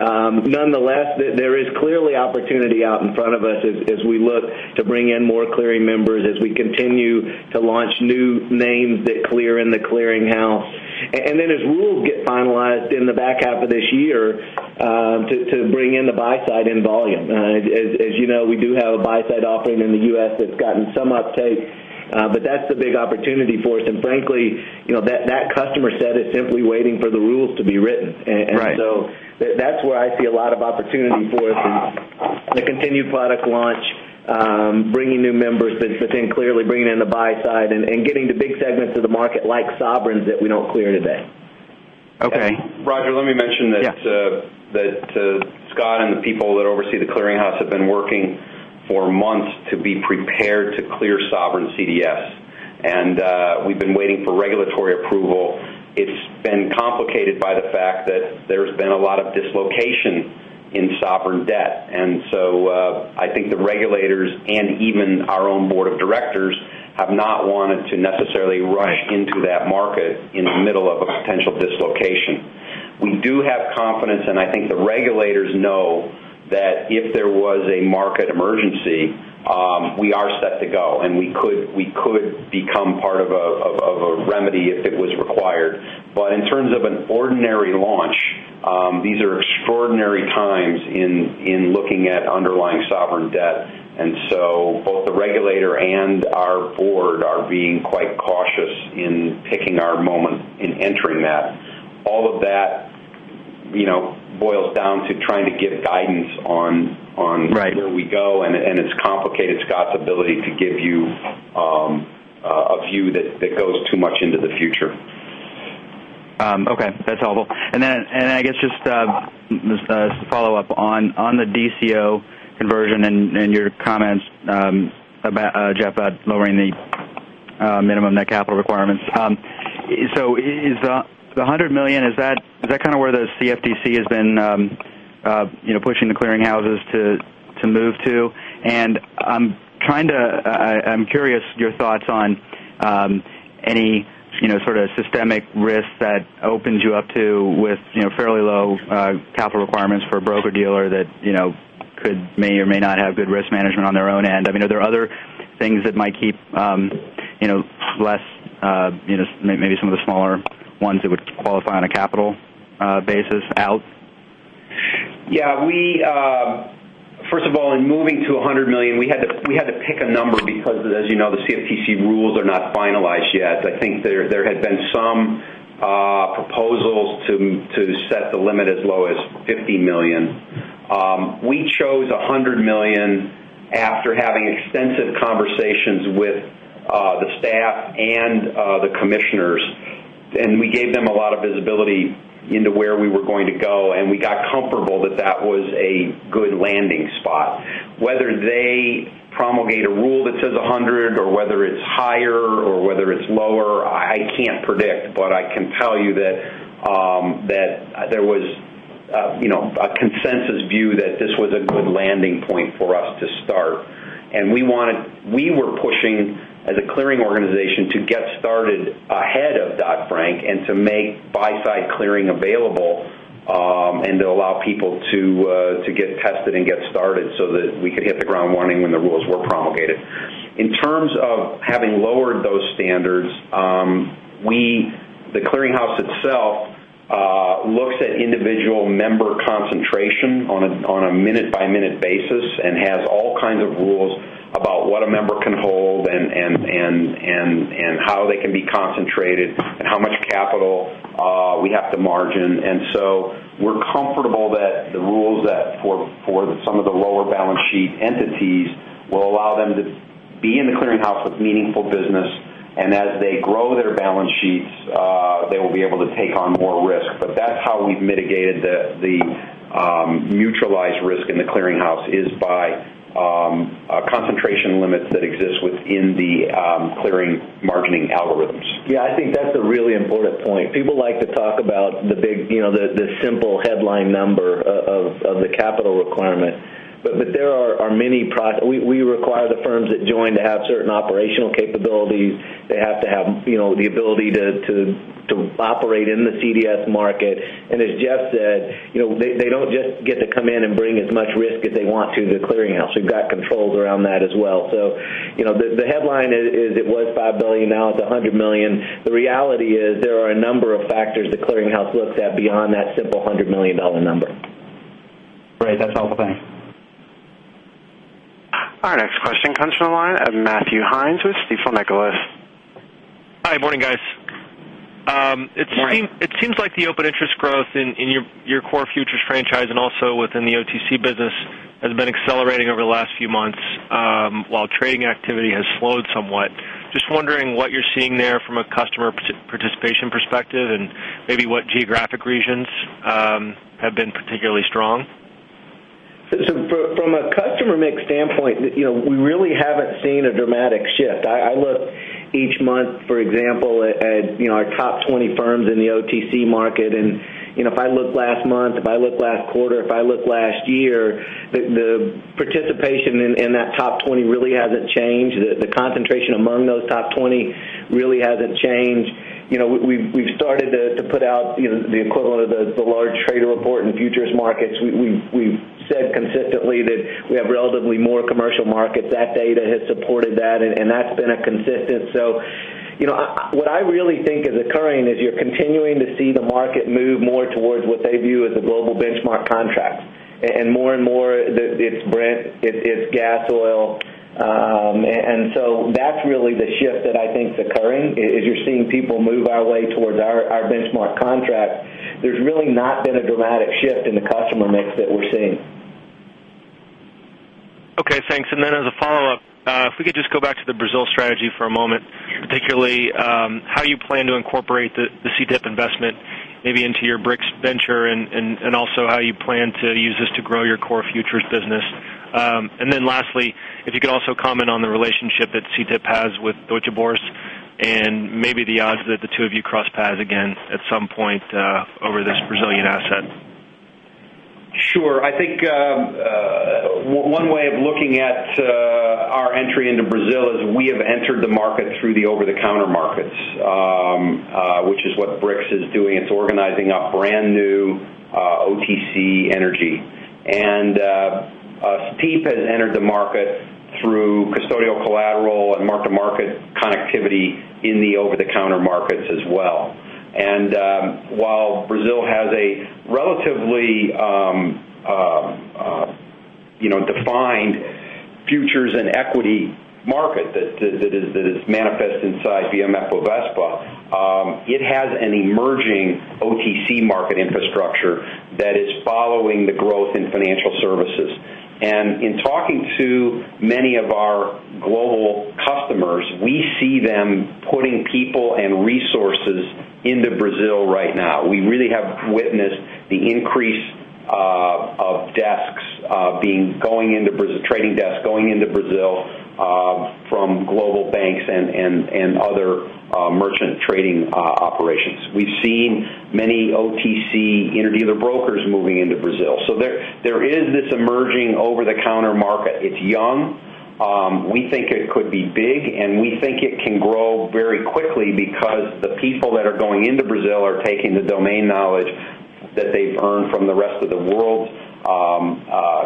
Nonetheless, there is clearly opportunity out in front of us as we look to bring in more clearing members as we continue to launch new names that clear in the clearinghouse. As rules get finalized in the back half of this year to bring in the buy side in volume. As you know, we do have a buy side offering in the U.S. that's gotten some uptake, but that's the big opportunity for us. Frankly, that customer set is simply waiting for the rules to be written. That's where I see a lot of opportunity for it through the continued product launch, bringing new members that's within clearly, bringing in the buy side, and getting to big segments of the market like Sovereigns that we don't clear today. Okay. Roger, let me mention that Scott and the people that oversee the clearinghouse have been working for months to be prepared to clear Sovereign CDS, and we've been waiting for regulatory approval. It's been complicated by the fact that there's been a lot of dislocation in Sovereign debt, and I think the regulators and even our own board of directors have not wanted to necessarily rush into that market in the middle of a potential dislocation. We do have confidence, and I think the regulators know that if there was a market emergency, we are set to go, and we could become part of a remedy if it was required. In terms of an ordinary launch, these are extraordinary times in looking at underlying Sovereign debt, and both the regulator and our board are being quite cautious in picking our moment in entering that. All of that boils down to trying to get guidance on where we go, and it's complicated Scott's ability to give you a view that goes too much into the future. Okay. That's helpful. I guess just as a follow-up on the DCO conversion and your comments about Jeff lowering the minimum net capital requirements. Is the $100 million, is that kind of where the CFTC has been, you know, pushing the clearinghouses to move to? I'm curious your thoughts on any, you know, sort of systemic risks that opens you up to with, you know, fairly low capital requirements for a broker-dealer that, you know, could may or may not have good risk management on their own end. I mean, are there other things that might keep, you know, less, you know, maybe some of the smaller ones that would qualify on a capital basis out? Yeah. First of all, in moving to $100 million, we had to pick a number because, as you know, the CFTC rules are not finalized yet. I think there had been some proposals to set the limit as low as $50 million. We chose $100 million after having extensive conversations with the staff and the commissioners, and we gave them a lot of visibility into where we were going to go, and we got comfortable that that was a good landing spot. Whether they promulgate a rule that says $100 million or whether it's higher or whether it's lower, I can't predict, but I can tell you that there was a consensus view that this was a good landing point for us to start. We wanted, we were pushing as a clearing organization to get started ahead of Dodd-Frank and to make buy side clearing available and to allow people to get tested and get started so that we could hit the ground running when the rules were promulgated. In terms of having lowered those standards, the clearinghouse itself looks at individual member concentration on a minute-by-minute basis and has all kinds of rules about what a member can hold and how they can be concentrated and how much capital we have to margin. We're comfortable that the rules that for some of the lower balance sheet entities will allow them to be in the clearinghouse with meaningful business, and as they grow their balance sheets, they will be able to take on more risk. That's how we've mitigated the neutralized risk in the clearinghouse, by concentration limits that exist within the clearing marketing algorithms. Yeah, I think that's a really important point. People like to talk about the big, you know, the simple headline number of the capital requirement, but there are many products. We require the firms that join to have certain operational capabilities. They have to have, you know, the ability to operate in the CDS market. As Jeff said, they don't get to come in and bring as much risk as they want to the clearinghouse. We've got controls around that as well. The headline is it was $5 billion, now it's $100 million. The reality is there are a number of factors the clearinghouse looks at beyond that simple $100 million number. Right. That's helpful. Thanks. Our next question comes from the line of Matthew Hinez with CETIPel Nicolaus. Hi, good morning, guys. Good morning. It seems like the open interest growth in your core futures franchise and also within the OTC business has been accelerating over the last few months, while trading activity has slowed somewhat. Just wondering what you're seeing there from a customer participation perspective and maybe what geographic regions have been particularly strong. From a customer mix standpoint, we really haven't seen a dramatic shift. I look each month, for example, at our top 20 firms in the OTC market, and if I look last month, if I look last quarter, if I look last year, the participation in that top 20 really hasn't changed. The concentration among those top 20 really hasn't changed. We've started to put out the equivalent of the large trader report in the futures markets. We've said consistently that we have relatively more commercial markets. That data has supported that, and that's been consistent. What I really think is occurring is you're continuing to see the market move more towards what they view as a global benchmark contract. More and more, it's Brent, it's Gas Oil, and that's really the shift that I think is occurring. As you're seeing people move our way towards our benchmark contract, there's really not been a dramatic shift in the customer mix that we're seeing. Okay, thanks. If we could just go back to the Brazil strategy for a moment, particularly how you plan to incorporate the CETIP investment maybe into your BRIX venture and also how you plan to use this to grow your core futures business. Lastly, if you could also comment on the relationship that CETIP has with Deutsche Börse and maybe the odds that the two of you cross paths again at some point over this Brazilian asset. Sure. I think one way of looking at our entry into Brazil is we have entered the market through the over-the-counter markets, which is what BRIX is doing. It's organizing a brand new OTC energy. CETIP has entered the market through custodial collateral and mark-to-market connectivity in the over-the-counter markets as well. While Brazil has a relatively, you know, defined futures and equity market that is manifest inside BMF/Bovespa, it has an emerging OTC market infrastructure that is following the growth in financial services. In talking to many of our global customers, we see them putting people and resources into Brazil right now. We really have witnessed the increase of desks going into Brazil, trading desks going into Brazil from global banks and other merchant trading operations. We've seen many OTC inter-dealer brokers moving into Brazil. There is this emerging over-the-counter market. It's young. We think it could be big, and we think it can grow very quickly because the people that are going into Brazil are taking the domain knowledge that they've learned from the rest of the world's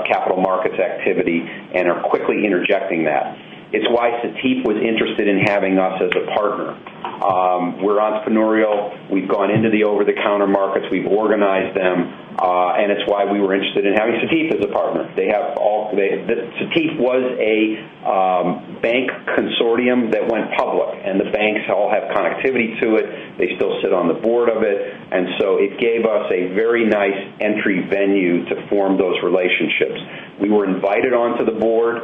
capital markets activity and are quickly interjecting that. It's why CETIP was interested in having us as a partner. We're entrepreneurial. We've gone into the over-the-counter markets. We've organized them, and it's why we were interested in having CETIP as a partner. CETIP was a bank consortium that went public, and the banks all have connectivity to it. They still sit on the board of it. It gave us a very nice entry venue to form those relationships. We were invited onto the board.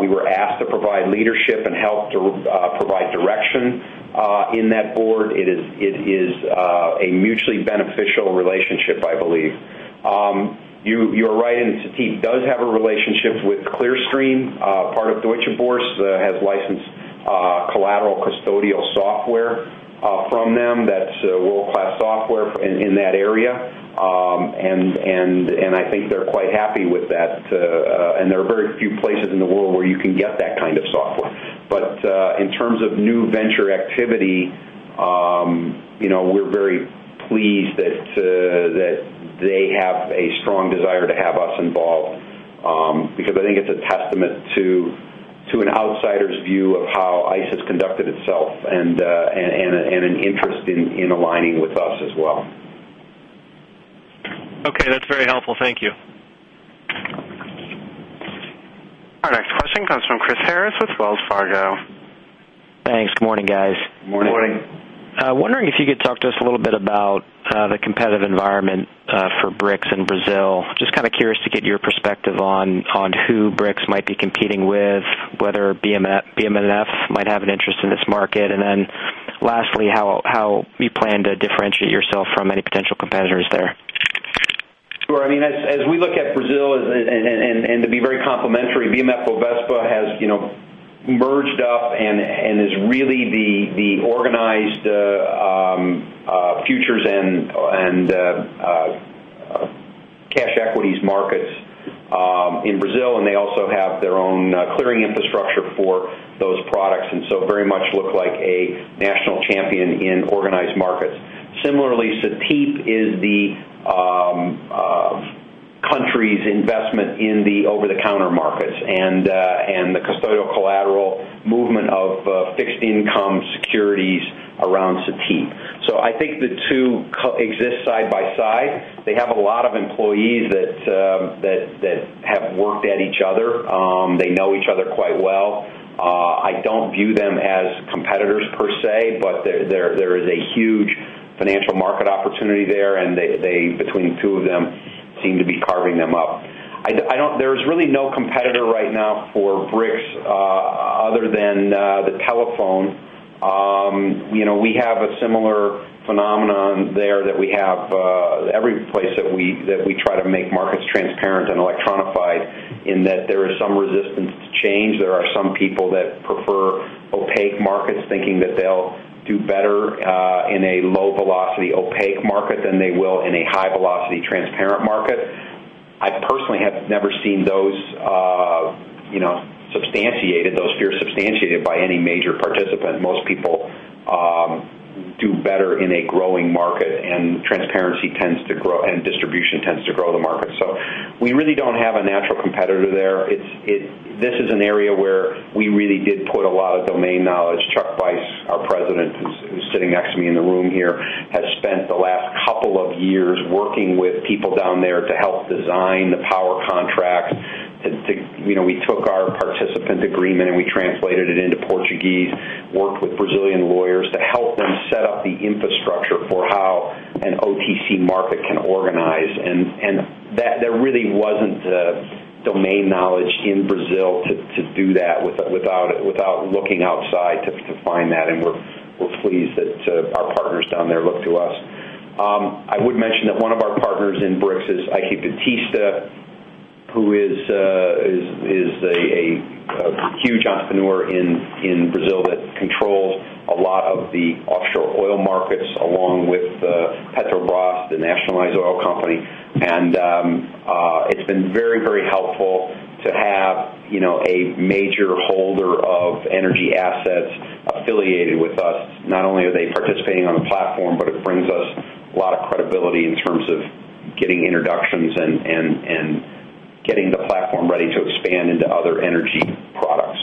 We were asked to provide leadership and help to provide direction in that board. It is a mutually beneficial relationship, I believe. You are right, and CETIP does have a relationship with Clearstream, part of Deutsche Börse, that has licensed collateral custodial software from them that's world-class software in that area. I think they're quite happy with that, and there are very few places in the world where you can get that kind of software. In terms of new venture activity, we're very pleased that they have a strong desire to have us involved because I think it's a testament to an outsider's view of how Intercontinental Exchange has conducted itself and an interest in aligning with us as well. Okay, that's very helpful. Thank you. Our next question comes from Chris Harris with Wells Fargo. Thanks. Good morning, guys. Morning. Good morning. Wondering if you could talk to us a little bit about the competitive environment for BRIX in Brazil. Just kind of curious to get your perspective on who BRIX might be competing with, whether BMF might have an interest in this market, and then lastly, how you plan to differentiate yourself from any potential competitors there. Sure. As we look at Brazil, and to be very complimentary, BMF/Bovespa has merged up and is really the organized futures and cash equities markets in Brazil, and they also have their own clearing infrastructure for those products and very much look like a national champion in organized markets. Similarly, CETIP is the country's investment in the over-the-counter markets and the custodial collateral movement of fixed income securities around CETIP. I think the two exist side by side. They have a lot of employees that have worked at each other. They know each other quite well. I don't view them as competitors per se, but there is a huge financial market opportunity there, and between the two of them, they seem to be carving them up. There is really no competitor right now for BRIX other than the telephone. We have a similar phenomenon there that we have every place that we try to make markets transparent and electronified in that there is some resistance to change. There are some people that prefer opaque markets thinking that they'll do better in a low-velocity opaque market than they will in a high-velocity transparent market. I personally have never seen those fears substantiated by any major participant. Most people do better in a growing market, and transparency tends to grow, and distribution tends to grow the market. We really don't have a natural competitor there. This is an area where we really did put a lot of domain knowledge. Chuck Weiss, our President, who's sitting next to me in the room here, has spent the last couple of years working with people down there to help design the power contract. We took our participant agreement, and we translated it into Portuguese, worked with Brazilian lawyers to help them set up the infrastructure for how an OTC market can organize. There really wasn't domain knowledge in Brazil to do that without looking outside to find that, and we're pleased that our partners down there look to us. I would mention that one of our partners in BRIX is Eike Batista, who is a huge entrepreneur in Brazil that controls a lot of the offshore oil markets along with Petrobras, the nationalized oil company. It's been very, very helpful to have a major holder of energy assets affiliated with us. Not only are they participating on the platform, but it brings us a lot of credibility in terms of getting introductions and getting the platform ready to expand into other energy products.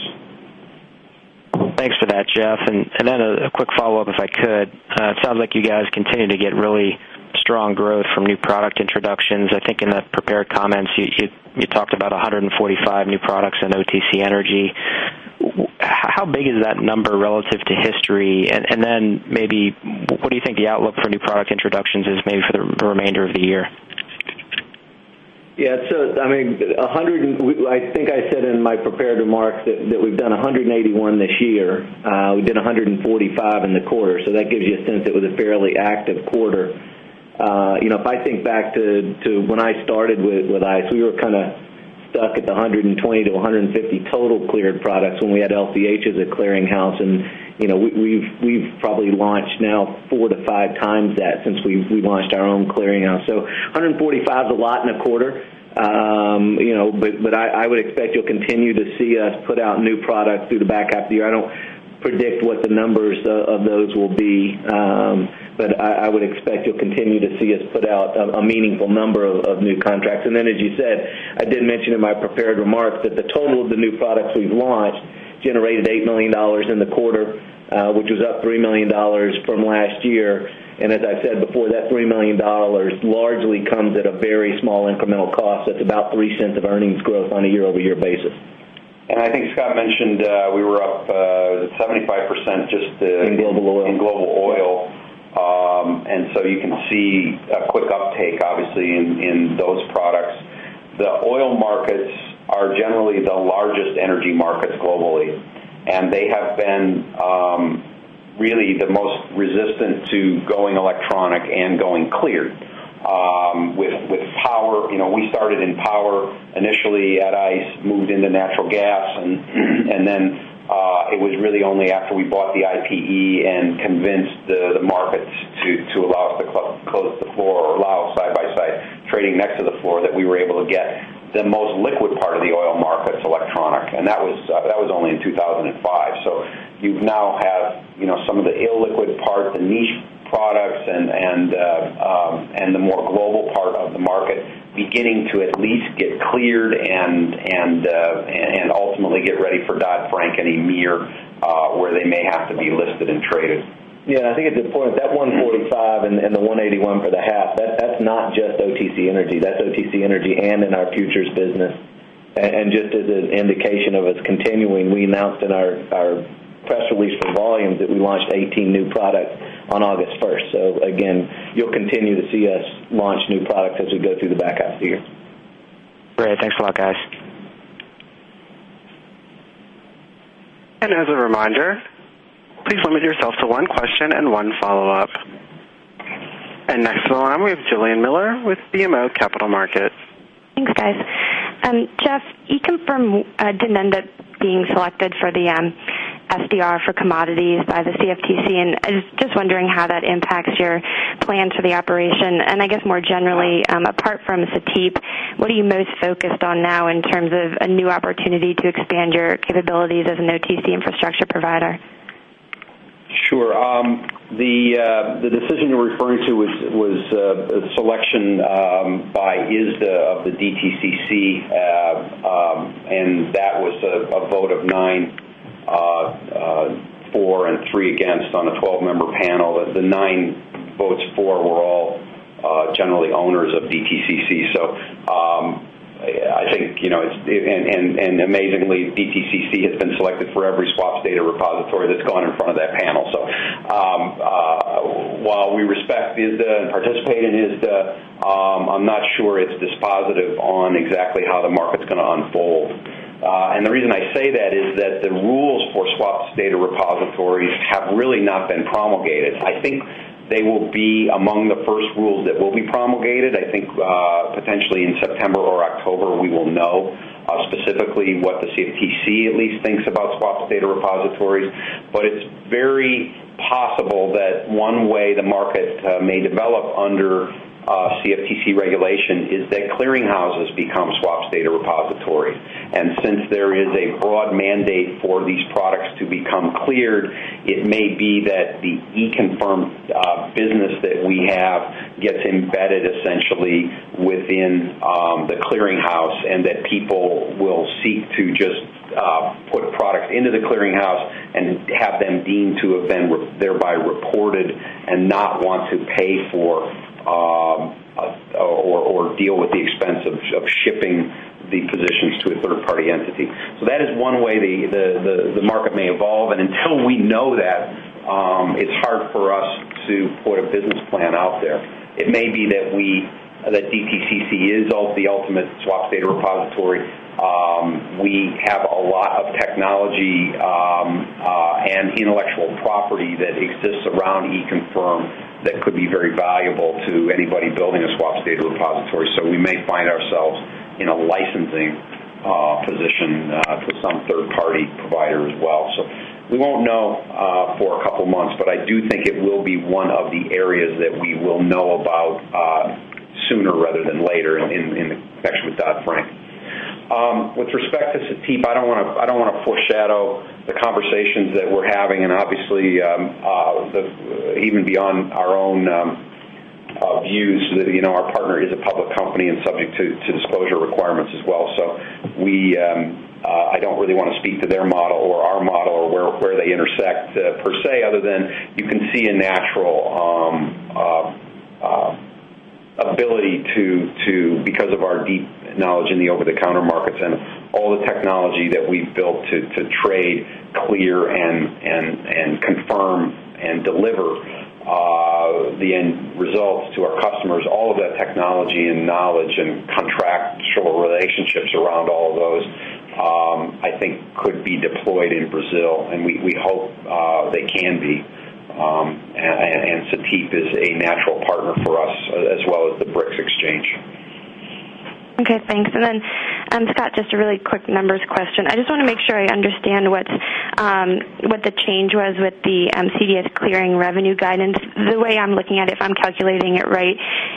Thanks for that, Jeff. A quick follow-up, if I could. It sounds like you guys continue to get really strong growth from new product introductions. I think in the prepared comments, you talked about 145 new products in OTC energy. How big is that number relative to history? What do you think the outlook for new product introductions is for the remainder of the year? Yeah. I mean, I think I said in my prepared remarks that we've done 181 this year. We did 145 in the quarter, so that gives you a sense it was a fairly active quarter. If I think back to when I started with Intercontinental Exchange, we were kind of stuck at the 120-150 total cleared products when we had LTH as a clearinghouse. We've probably launched now four to five times that since we launched our own clearinghouse. 145 is a lot in a quarter, but I would expect you'll continue to see us put out new products through the back half of the year. I don't predict what the numbers of those will be, but I would expect you'll continue to see us put out a meaningful number of new contracts. As you said, I did mention in my prepared remarks that the total of the new products we've launched generated $8 million in the quarter, which was up $3 million from last year. As I've said before, that $3 million largely comes at a very small incremental cost. That's about $0.03 of earnings growth on a year-over-year basis. I think Scott mentioned we were up 75% just. In global oil. In global oil, you can see a quick uptake, obviously, in those products. The oil markets are generally the largest energy markets globally, and they have been really the most resistant to going electronic and going cleared. With power, you know, we started in power initially at ICE, moved into natural gas, and then it was really only after we bought the IPE and convinced the markets to allow us to close the floor or allow side-by-side trading next to the floor that we were able to get the most liquid part of the oil markets electronic. That was only in 2005. You now have some of the illiquid part, the niche products, and the more global part of the market beginning to at least get cleared and ultimately get ready for Dodd-Frank and EMIR where they may have to be listed and traded. Yeah, and I think at this point, that $145 million and the $181 million for the half, that's not just OTC energy. That's OTC energy and in our futures business. Just as an indication of us continuing, we announced in our press release from volume that we launched 18 new products on August 1. You'll continue to see us launch new products as we go through the back half of the year. Great. Thanks a lot, guys. As a reminder, please limit yourself to one question and one follow-up. Next on the line, we have Jillian Miller with BMO Capital Markets. Thanks, guys. Jeff, you confirmed Dinenda being selected for the FDR for commodities by the CFTC, and I was just wondering how that impacts your plans for the operation. I guess more generally, apart from CETIP, what are you most focused on now in terms of a new opportunity to expand your capabilities as an OTC infrastructure provider? Sure. The decision you're referring to was the selection by ISDA of the DTCC, and that was a vote of nine, four, and three against on a 12-member panel. The nine votes for were all generally owners of DTCC. I think, you know, and amazingly, DTCC has been selected for every swap data repository that's gone in front of that panel. While we respect ISDA and participate in ISDA, I'm not sure it's this positive on exactly how the market's going to unfold. The reason I say that is that the rules for swap data repositories have really not been promulgated. I think they will be among the first rules that will be promulgated. I think potentially in September or October, we will know specifically what the CFTC at least thinks about swap data repositories. It is very possible that one way the market may develop under CFTC regulation is that clearinghouses become swap data repositories. Since there is a broad mandate for these products to become cleared, it may be that the e-confirmed business that we have gets embedded essentially within the clearinghouse and that people will seek to just put products into the clearinghouse and have them deemed to have been thereby reported and not want to pay for or deal with the expense of shipping the positions to a third-party entity. That is one way the market may evolve, and until we know that, it's hard for us to put a business plan out there. It may be that DTCC is the ultimate swap data repository. We have a lot of technology and intellectual property that exists around e-confirm that could be very valuable to anybody building a swap data repository. We may find ourselves in a licensing position to some third-party provider as well. We won't know for a couple of months, but I do think it will be one of the areas that we will know about sooner rather than later in the connection with Dodd-Frank. With respect to CETIP, I don't want to foreshadow the conversations that we're having, and obviously, even beyond our own views, our partner is a public company and subject to disclosure requirements as well. I don't really want to speak to their model or our model or where they intersect per se, other than you can see a natural ability to, because of our deep knowledge in the over-the-counter markets and all the technology that we've built to trade, clear, and confirm and deliver the end results to our customers. All of that technology and knowledge and contractual relationships around all of those, I think, could be deployed in Brazil, and we hope they can be. CETIP is a natural partner for us as well as the BRIX exchange. Okay, thanks. Scott, just a really quick numbers question. I just want to make sure I understand what the change was with the CDS clearing revenue guidance. The way I'm looking at it, if I'm calculating it right,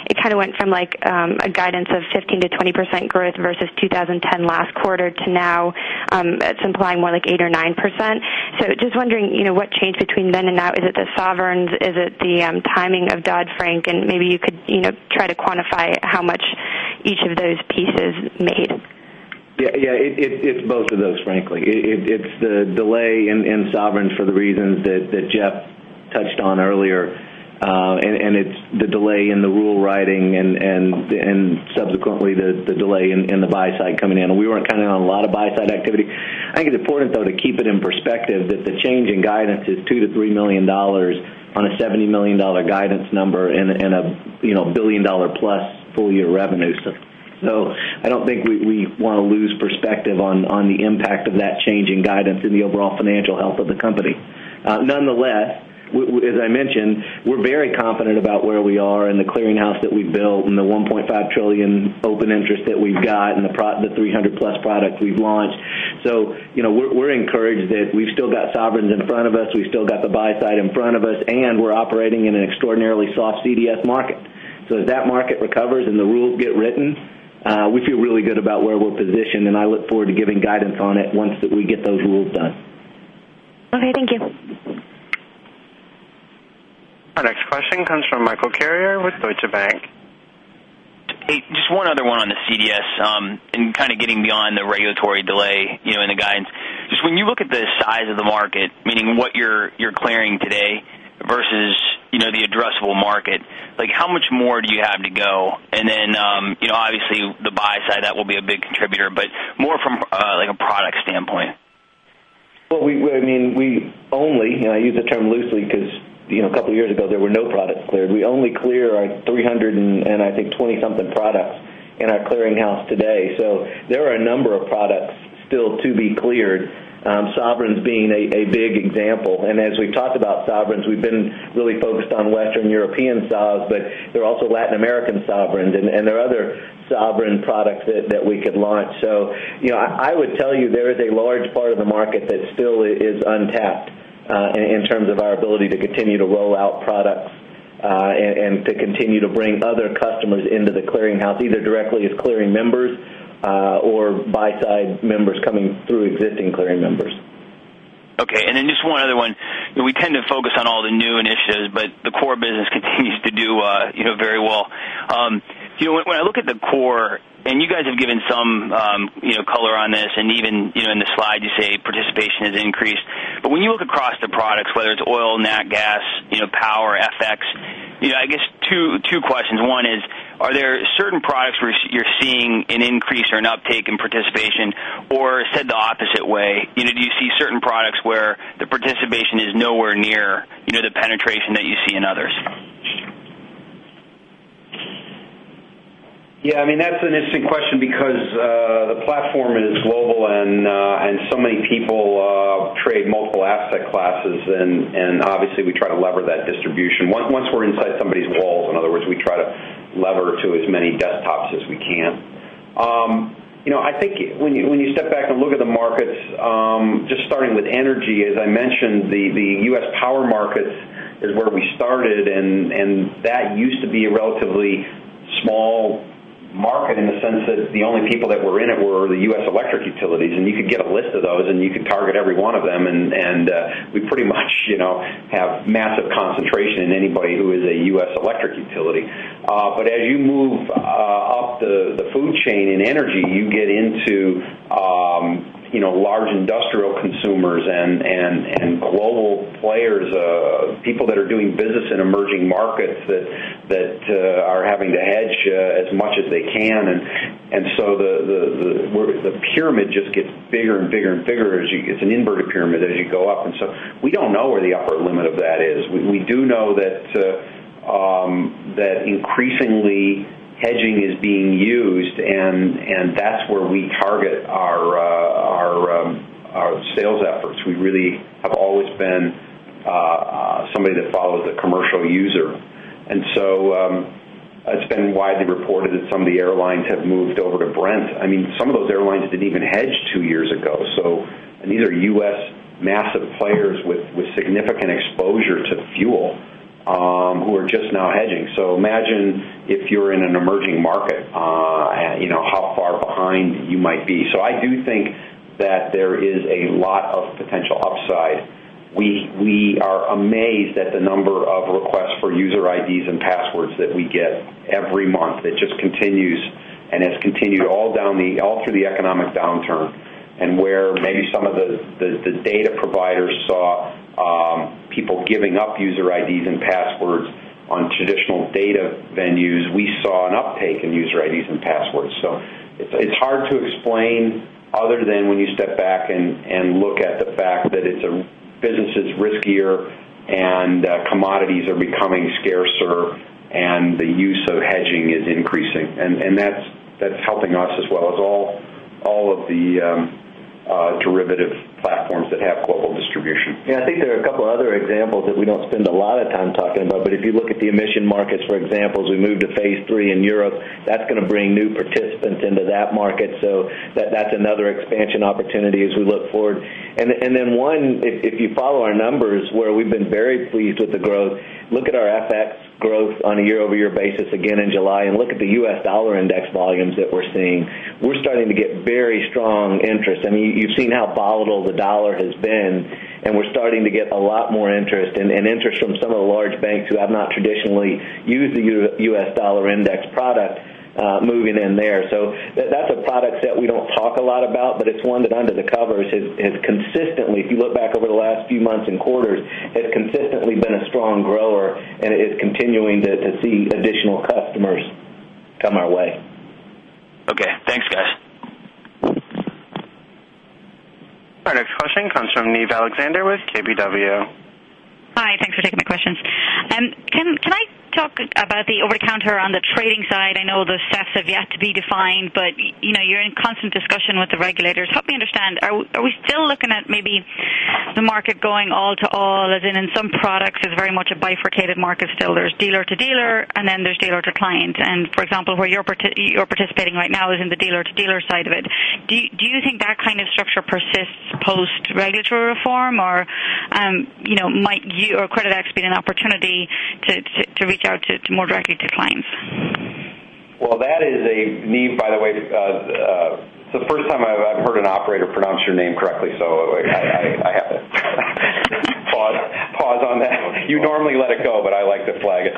it kind of went from a guidance of 15%-20% growth versus 2010 last quarter to now, it's implying more like 8% or 9%. Just wondering, you know, what changed between then and now? Is it the Sovereigns? Is it the timing of Dodd-Frank? Maybe you could, you know, try to quantify how much each of those pieces made. Yeah, yeah, it's both of those, frankly. It's the delay in Sovereigns for the reasons that Jeff touched on earlier, and it's the delay in the rule writing and subsequently the delay in the buy side coming in. We weren't counting on a lot of buy side activity. I think it's important, though, to keep it in perspective that the change in guidance is $2-$3 million on a $70 million guidance number and a, you know, billion dollar plus full-year revenue. I don't think we want to lose perspective on the impact of that change in guidance and the overall financial health of the company. Nonetheless, as I mentioned, we're very confident about where we are in the clearinghouse that we've built and the $1.5 trillion open interest that we've got and the 300+ products we've launched. We're encouraged that we've still got Sovereigns. We still got the buy side in front of us, and we're operating in an extraordinarily soft CDS market. As that market recovers and the rules get written, we feel really good about where we're positioned, and I look forward to giving guidance on it once we get those rules done. Okay, thank you. Our next question comes from Michael Carrier with Deutsche Bank. Hey, just one other one on the CDS clearing and kind of getting beyond the regulatory delay and the guidance. Just when you look at the size of the market, meaning what you're clearing today versus the addressable market, how much more do you have to go? Obviously, the buy side, that will be a big contributor, but more from a product standpoint. I mean, we only, and I use the term loosely because a couple of years ago there were no products cleared, we only clear our 300 and, I think, 20-something products in our clearinghouse today. There are a number of products still to be cleared, Sovereigns being a big example. As we've talked about Sovereigns, we've been really focused on Western European Sovs, but there are also Latin American Sovereigns, and there are other Sovereign products that we could launch. I would tell you there is a large part of the market that still is untapped in terms of our ability to continue to roll out products and to continue to bring other customers into the clearinghouse, either directly as clearing members or buy side members coming through existing clearing members. Okay, and then just one other one. We tend to focus on all the new initiatives, but the core business continues to do very well. When I look at the core, and you guys have given some color on this, and even in the slide you say participation has increased, but when you look across the products, whether it's oil, natural gas, power, FX, I guess two questions. One is, are there certain products where you're seeing an increase or an uptake in participation, or said the opposite way, do you see certain products where the participation is nowhere near the penetration that you see in others? Yeah, I mean, that's an interesting question because the platform is global, and so many people trade multiple asset classes, and obviously we try to lever that distribution. Once we're inside somebody's walls, in other words, we try to lever to as many desktops as we can. I think when you step back and look at the markets, just starting with energy, as I mentioned, the U.S. power market is where we started, and that used to be a relatively small market in the sense that the only people that were in it were the U.S. electric utilities, and you could get a list of those, and you could target every one of them. We pretty much have massive concentration in anybody who is a U.S. electric utility. As you move up the food chain in energy, you get into large industrial consumers and global players, people that are doing business in emerging markets that are having to hedge as much as they can. The pyramid just gets bigger and bigger and bigger. It's an inverted pyramid as you go up. We don't know where the upper limit of that is. We do know that increasingly hedging is being used, and that's where we target our sales efforts. We really have always been somebody that follows the commercial user. It's been widely reported that some of the airlines have moved over to Brent. Some of those airlines didn't even hedge two years ago. These are U.S. massive players with significant exposure to fuel who are just now hedging. Imagine if you're in an emerging market, how far behind you might be. I do think that there is a lot of potential upside. We are amazed at the number of requests for user IDs and passwords that we get every month. It just continues and has continued all through the economic downturn. Where maybe some of the data providers saw people giving up user IDs and passwords on traditional data venues, we saw an uptake in user IDs and passwords. It's hard to explain other than when you step back and look at the fact that it's a business that's riskier and commodities are becoming scarcer and the use of hedging is increasing. That's helping us as well as all of the derivative platforms that have global distribution. Yeah. I think there are a couple of other examples that we do not spend a lot of time talking about, but if you look at the emission markets, for example, as we move to phase three in Europe, that is going to bring new participants into that market. That is another expansion opportunity as we look forward. If you follow our numbers where we have been very pleased with the growth, look at our FX growth on a year-over-year basis again in July, and look at the U.S. dollar index volumes that we are seeing. We are starting to get very strong interest. You have seen how volatile the dollar has been, and we are starting to get a lot more interest and interest from some of the large banks who have not traditionally used the U.S. dollar index product moving in there. That is a product that we do not talk a lot about, but it is one that under the covers has consistently, if you look back over the last few months and quarters, has consistently been a strong grower, and it is continuing to see additional customers come our way. Okay, thanks guys. Our next question comes from Niamh Alexander with KBW. Hi, thanks for taking my questions. Tim, can I talk about the over-the-counter on the trading side? I know the SEFs have yet to be defined, but you're in constant discussion with the regulators. Help me understand, are we still looking at maybe the market going all to all, as in some products is very much a bifurcated market still? There's dealer to dealer, and then there's dealer to client. For example, where you're participating right now is in the dealer to dealer side of it. Do you think that kind of structure persists post regulatory reform, or might you or Creditex be an opportunity to reach out more directly to clients? That is a need, by the way. It's the first time I've heard an operator pronounce your name correctly, so I pause on that. You normally let it go, but I like to flag it.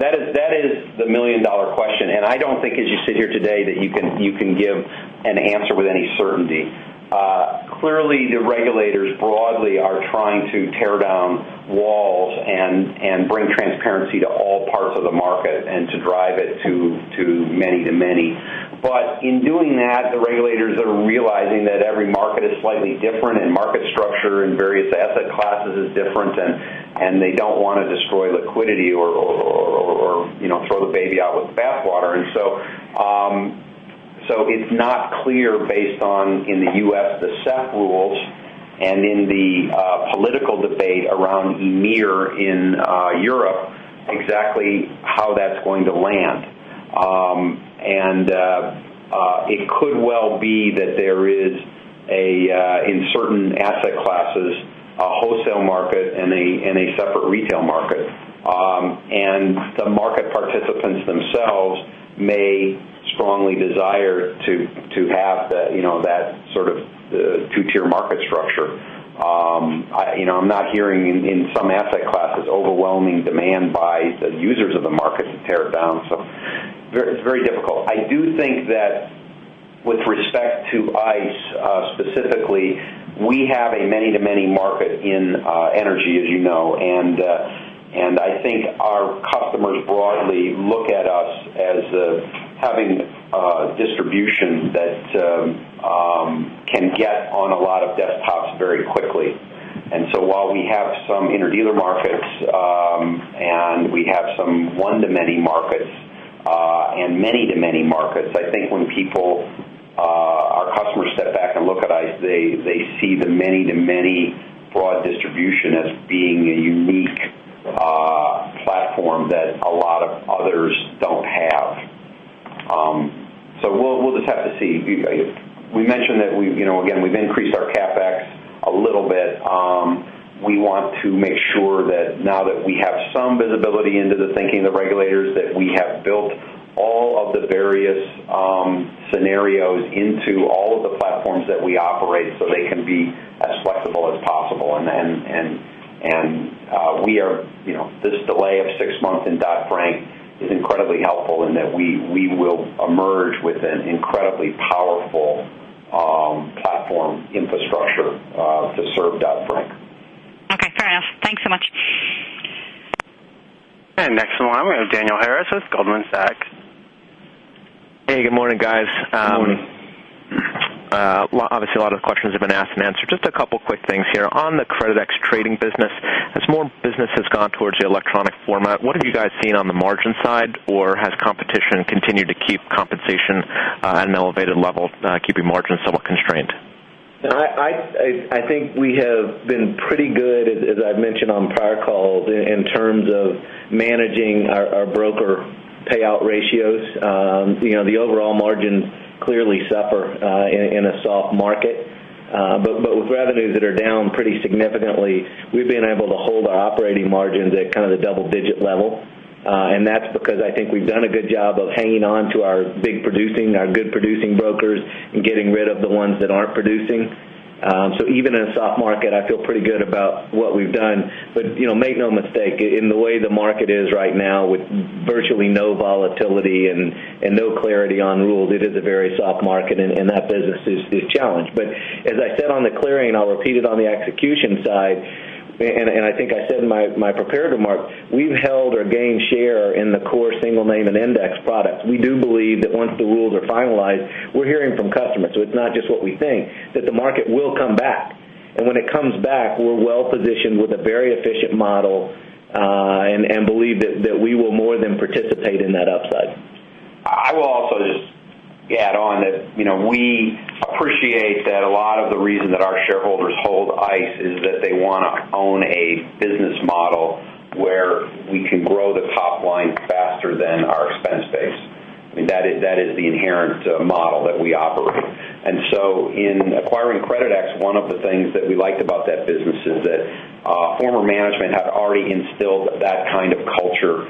That is the million-dollar question, and I don't think as you sit here today that you can give an answer with any certainty. Clearly, the regulators broadly are trying to tear down walls and bring transparency to all parts of the market and to drive it to many-to-many. In doing that, the regulators are realizing that every market is slightly different, and market structure in various asset classes is different, and they don't want to destroy liquidity or throw the baby out with the bathwater. It's not clear based on, in the U.S., the SEF rules and in the political debate around EMIR in Europe, exactly how that's going to land. It could well be that there is, in certain asset classes, a wholesale market and a separate retail market. The market participants themselves may strongly desire to have that sort of two-tier market structure. I'm not hearing in some asset classes overwhelming demand by the users of the market to tear it down. It's very difficult. I do think that with respect to Intercontinental Exchange specifically, we have a many-to-many market in energy, as you know. I think our customers broadly look at us as having distribution that can get on a lot of debt paths very quickly. While we have some inter-dealer markets and we have some one-to-many markets and many-to-many markets, I think when people, our customers, step back and look at ICE, they see the many-to-many broad distribution as being a unique platform that a lot of others don't have. We'll just have to see. We mentioned that, you know, again, we've increased our CapEx a little bit. We want to make sure that now that we have some visibility into the thinking of the regulators, that we have built all of the various scenarios into all of the platforms that we operate so they can be as flexible as possible. This delay of six months in Dodd-Frank is incredibly helpful in that we will emerge with an incredibly powerful platform infrastructure to serve Dodd-Frank. Okay, fair enough. Thanks so much. Next one, we have Daniel Harris with Goldman Sachs. Hey, good morning, guys. Obviously, a lot of the questions have been asked and answered. Just a couple of quick things here. On the Creditex trading business, as more business has gone towards the electronic format, what have you guys seen on the margin side, or has competition continued to keep compensation at an elevated level, keeping margins somewhat constrained? I think we have been pretty good, as I've mentioned on prior calls, in terms of managing our broker payout ratios. The overall margins clearly suffer in a soft market. With revenues that are down pretty significantly, we've been able to hold our operating margins at kind of the double-digit level. That's because I think we've done a good job of hanging on to our big producing, our good producing brokers, and getting rid of the ones that aren't producing. Even in a soft market, I feel pretty good about what we've done. Make no mistake, in the way the market is right now with virtually no volatility and no clarity on rules, it is a very soft market, and that business is challenged. As I said on the clearing, I'll repeat it on the execution side, and I think I said in my prepared remark, we've held or gained share in the core single name and index product. We do believe that once the rules are finalized, we're hearing from customers, so it's not just what we think, that the market will come back. When it comes back, we're well positioned with a very efficient model and believe that we will more than participate in that upside. I will also just add on that we appreciate that a lot of the reason that our shareholders hold Intercontinental Exchange is that they want to own a business model where we can grow the top line faster than our expense base. That is the inherent model that we operate. In acquiring Creditex, one of the things that we liked about that business is that former management had already instilled that kind of culture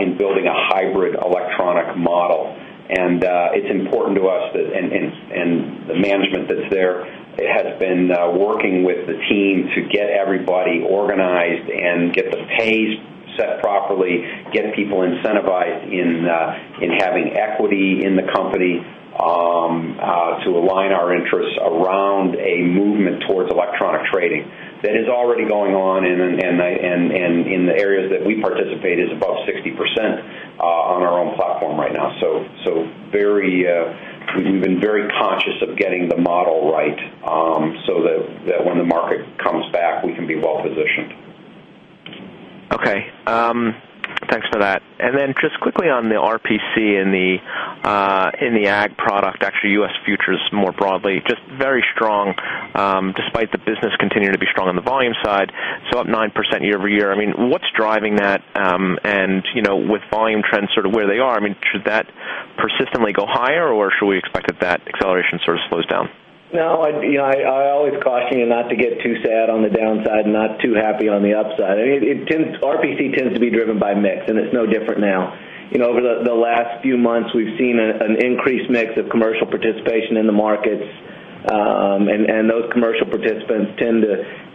in building a hybrid electronic model. It's important to us that, and the management that's there, had been working with the team to get everybody organized and get the pays set properly, get people incentivized in having equity in the company to align our interests around a movement towards electronic trading that is already going on. In the areas that we participate, it's above 60% on our own platform right now. We have been very conscious of getting the model right so that when the market comes back, we can be well positioned. Okay, thanks for that. Just quickly on the RPC in the Ag product, actually U.S. futures more broadly, just very strong despite the business continuing to be strong on the volume side. Up 9% year-over-year. What's driving that? With volume trends sort of where they are, should that persistently go higher or should we expect that that acceleration sort of slows down? No, I always caution you not to get too sad on the downside and not too happy on the upside. RPC tends to be driven by mix, and it's no different now. Over the last few months, we've seen an increased mix of commercial participation in the markets, and those commercial participants tend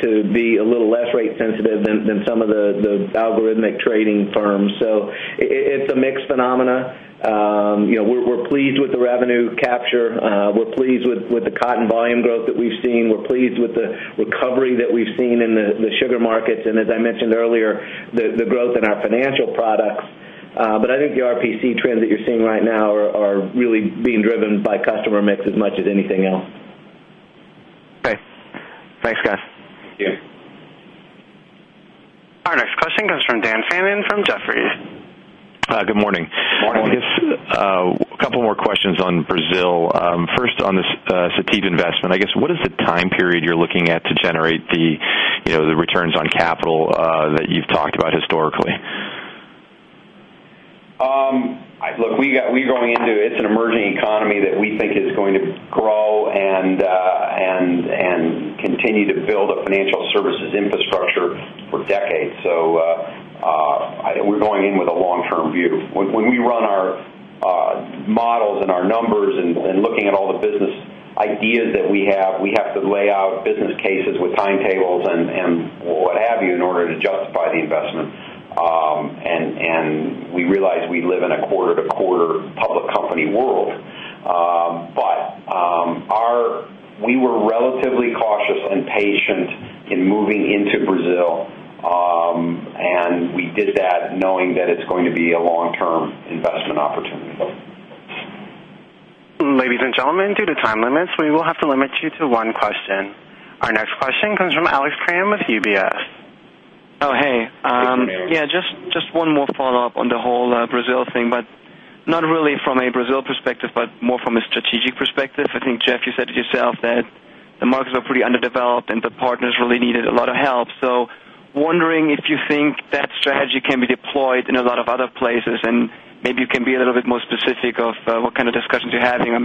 to be a little less rate sensitive than some of the algorithmic trading firms. It's a mixed phenomenon. We're pleased with the revenue capture. We're pleased with the cotton volume growth that we've seen. We're pleased with the recovery that we've seen in the sugar markets, and, as I mentioned earlier, the growth in our financial products. I think the RPC trends that you're seeing right now are really being driven by customer mix as much as anything else. Okay, thanks guys. Thank you. Our next question comes from Dan Fannon from Jefferies. Good morning. Morning. I guess a couple more questions on Brazil. First, on this CETIP investment, I guess what is the time period you're looking at to generate the returns on capital that you've talked about historically? Look, we're going into, it's an emerging economy that we think is going to grow and continue to build a financial services infrastructure for decades. We're going in with a long-term view. When we run our models and our numbers and looking at all the business ideas that we have, we have to lay out business cases with timetables and what have you in order to justify the investment. We realize we live in a quarter-to-quarter public company world. We were relatively cautious and patient in moving into Brazil, and we did that knowing that it's going to be a long-term investment opportunity. Ladies and gentlemen, due to time limits, we will have to limit you to one question. Our next question comes from Alex Kramm of UBS. Oh, hey. Thanks, Alex. Yeah, just one more follow-up on the whole Brazil thing, not really from a Brazil perspective, but more from a strategic perspective. I think, Jeff, you said it yourself that the markets were pretty underdeveloped and the partners really needed a lot of help. Wondering if you think that strategy can be deployed in a lot of other places and maybe you can be a little bit more specific about what kind of discussions you're having. I'm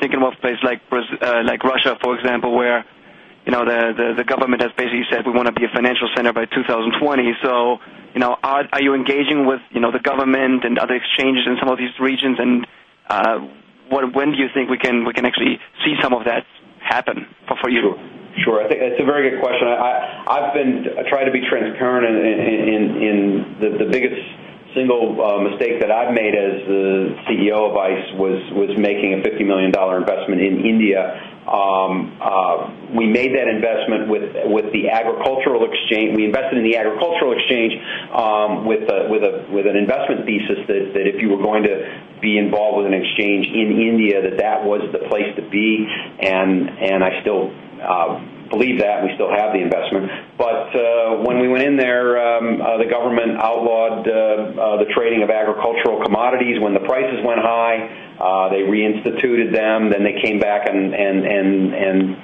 thinking of a place like Russia, for example, where the government has basically said we want to be a financial center by 2020. Are you engaging with the government and other exchanges in some of these regions? When do you think we can actually see some of that happen for you? Sure, I think it's a very good question. I've been trying to be transparent, and the biggest single mistake that I've made as the CEO of Intercontinental Exchange was making a $50 million investment in India. We made that investment with the agricultural exchange. We invested in the agricultural exchange with an investment thesis that if you were going to be involved with an exchange in India, that was the place to be. I still believe that, and we still have the investment. When we went in there, the government outlawed the trading of agricultural commodities. When the prices went high, they reinstituted them. They came back and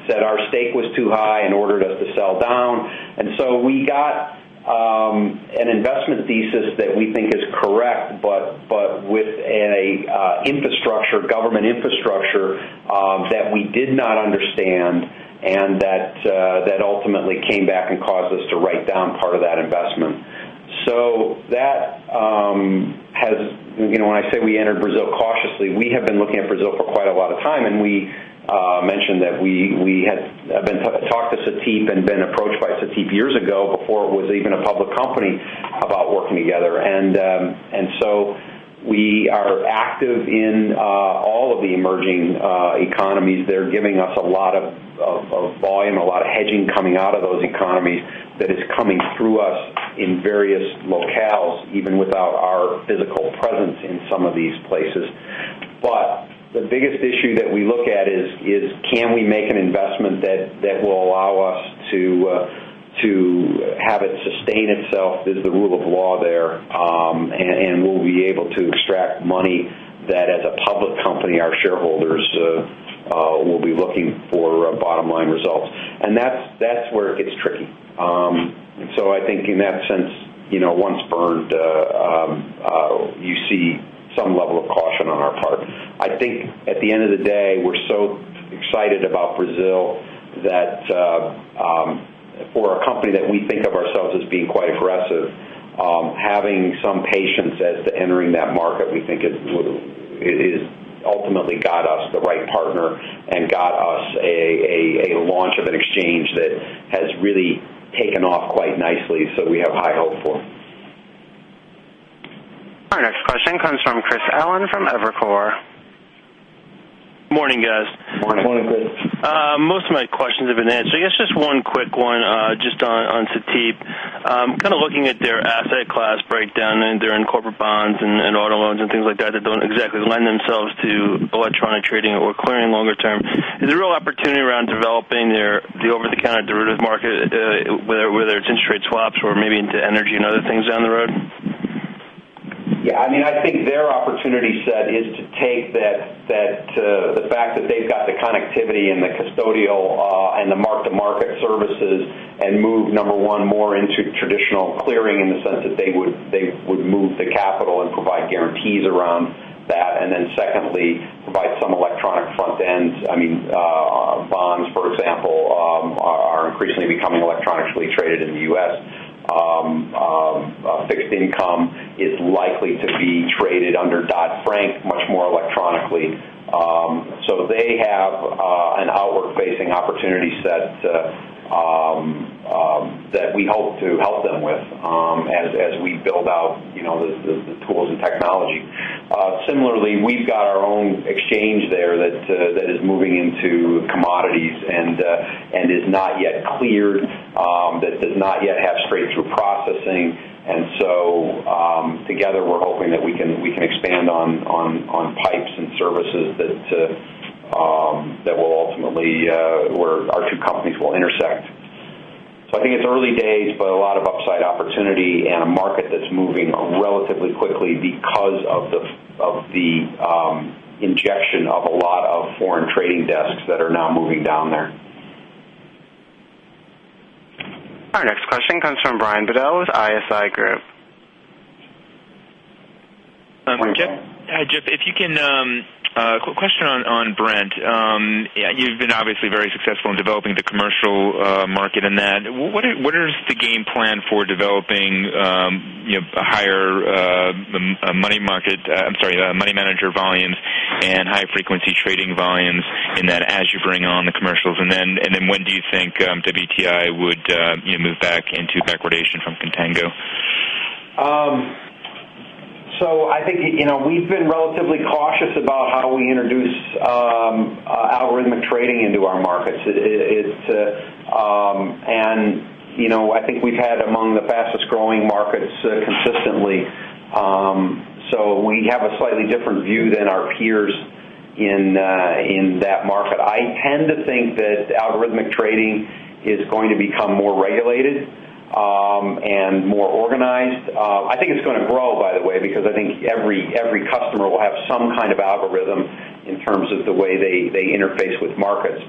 said our stake was too high and ordered us to sell down. We got an investment thesis that we think is correct, but with an infrastructure, government infrastructure that we did not understand and that ultimately came back and caused us to write down part of that investment. That has, you know, when I say we entered Brazil cautiously, we have been looking at Brazil for quite a lot of time. We mentioned that we had been talked to CETIP and been approached by CETIP years ago before it was even a public company about working together. We are active in all of the emerging economies. They're giving us a lot of volume, a lot of hedging coming out of those economies that is coming through us in various locales, even without our physical presence in some of these places. The biggest issue that we look at is, can we make an investment that will allow us to have it sustain itself? Is the rule of law there? We'll be able to extract money that, as a public company, our shareholders will be looking for bottom-line results. That's where it gets tricky. I think in that sense, you know, once burned, you see some level of caution on our part. I think at the end of the day, we're so excited about Brazil that for a company that we think of ourselves as being quite aggressive, having some patience as to entering that market, we think has ultimately got us the right partner and got us a launch of an exchange that has really taken off quite nicely. We have high hope for. Our next question comes from Chris Allen from Evercore. Morning, guys. Morning. Most of my questions have been answered. I guess just one quick one, just on CETIP. Kind of looking at their asset class breakdown and their corporate bonds and auto loans and things like that that don't exactly lend themselves to electronic trading or clearing longer term, is there a real opportunity around developing the over-the-counter derivative market, whether it's interest rate swaps or maybe into energy and other things down the road? Yeah, I mean, I think their opportunity set is to take the fact that they've got the connectivity and the custodial and the mark-to-market services and move, number one, more into traditional clearing in the sense that they would move the capital and provide guarantees around that. Secondly, provide some electronic front ends. I mean, bonds, for example, are increasingly becoming electronically traded in the U.S. Fixed income is likely to be traded under Dodd-Frank much more electronically. They have an outward-facing opportunity set that we hope to help them with as we build out the tools and technology. Similarly, we've got our own exchange there that is moving into commodities and is not yet cleared, that does not yet have straight-through processing. Together, we're hoping that we can expand on pipes and services that will ultimately, where our two companies will intersect. I think it's early days, but a lot of upside opportunity and a market that's moving relatively quickly because of the injection of a lot of foreign trading desks that are now moving down there. Our next question comes from Brian Bedell with ISI Group. Hi, Jeff. If you can, a quick question on Brent. You've been obviously very successful in developing the commercial market in that. What is the game plan for developing higher money manager volumes and high-frequency trading volumes in that as you bring on the commercials? When do you think WTI would move back into backwardation from Contango? I think we've been relatively cautious about how we introduce algorithmic trading into our markets. I think we've had among the fastest growing markets consistently. We have a slightly different view than our peers in that market. I tend to think that algorithmic trading is going to become more regulated and more organized. I think it's going to grow, by the way, because I think every customer will have some kind of algorithm in terms of the way they interface with markets.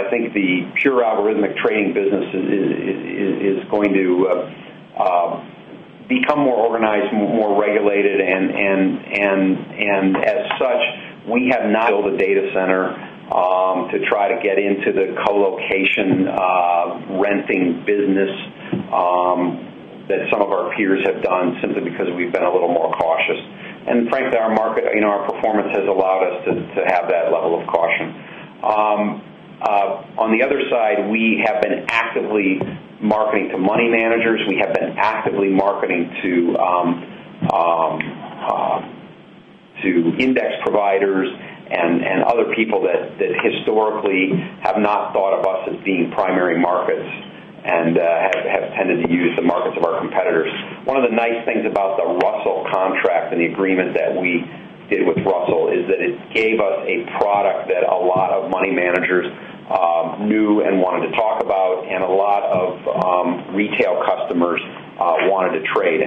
I think the pure algorithmic trading business is going to become more organized, more regulated, and as such, we have not built a data center to try to get into the colocation renting business that some of our peers have done simply because we've been a little more cautious. Frankly, our market, our performance has allowed us to have that level of caution. On the other side, we have been actively marketing to money managers. We have been actively marketing to index providers and other people that historically have not thought of us as being primary markets and have tended to use the markets of our competitors. One of the nice things about the Russell contract and the agreement that we did with Russell is that it gave us a product that a lot of money managers knew and wanted to talk about, and a lot of retail customers wanted to trade.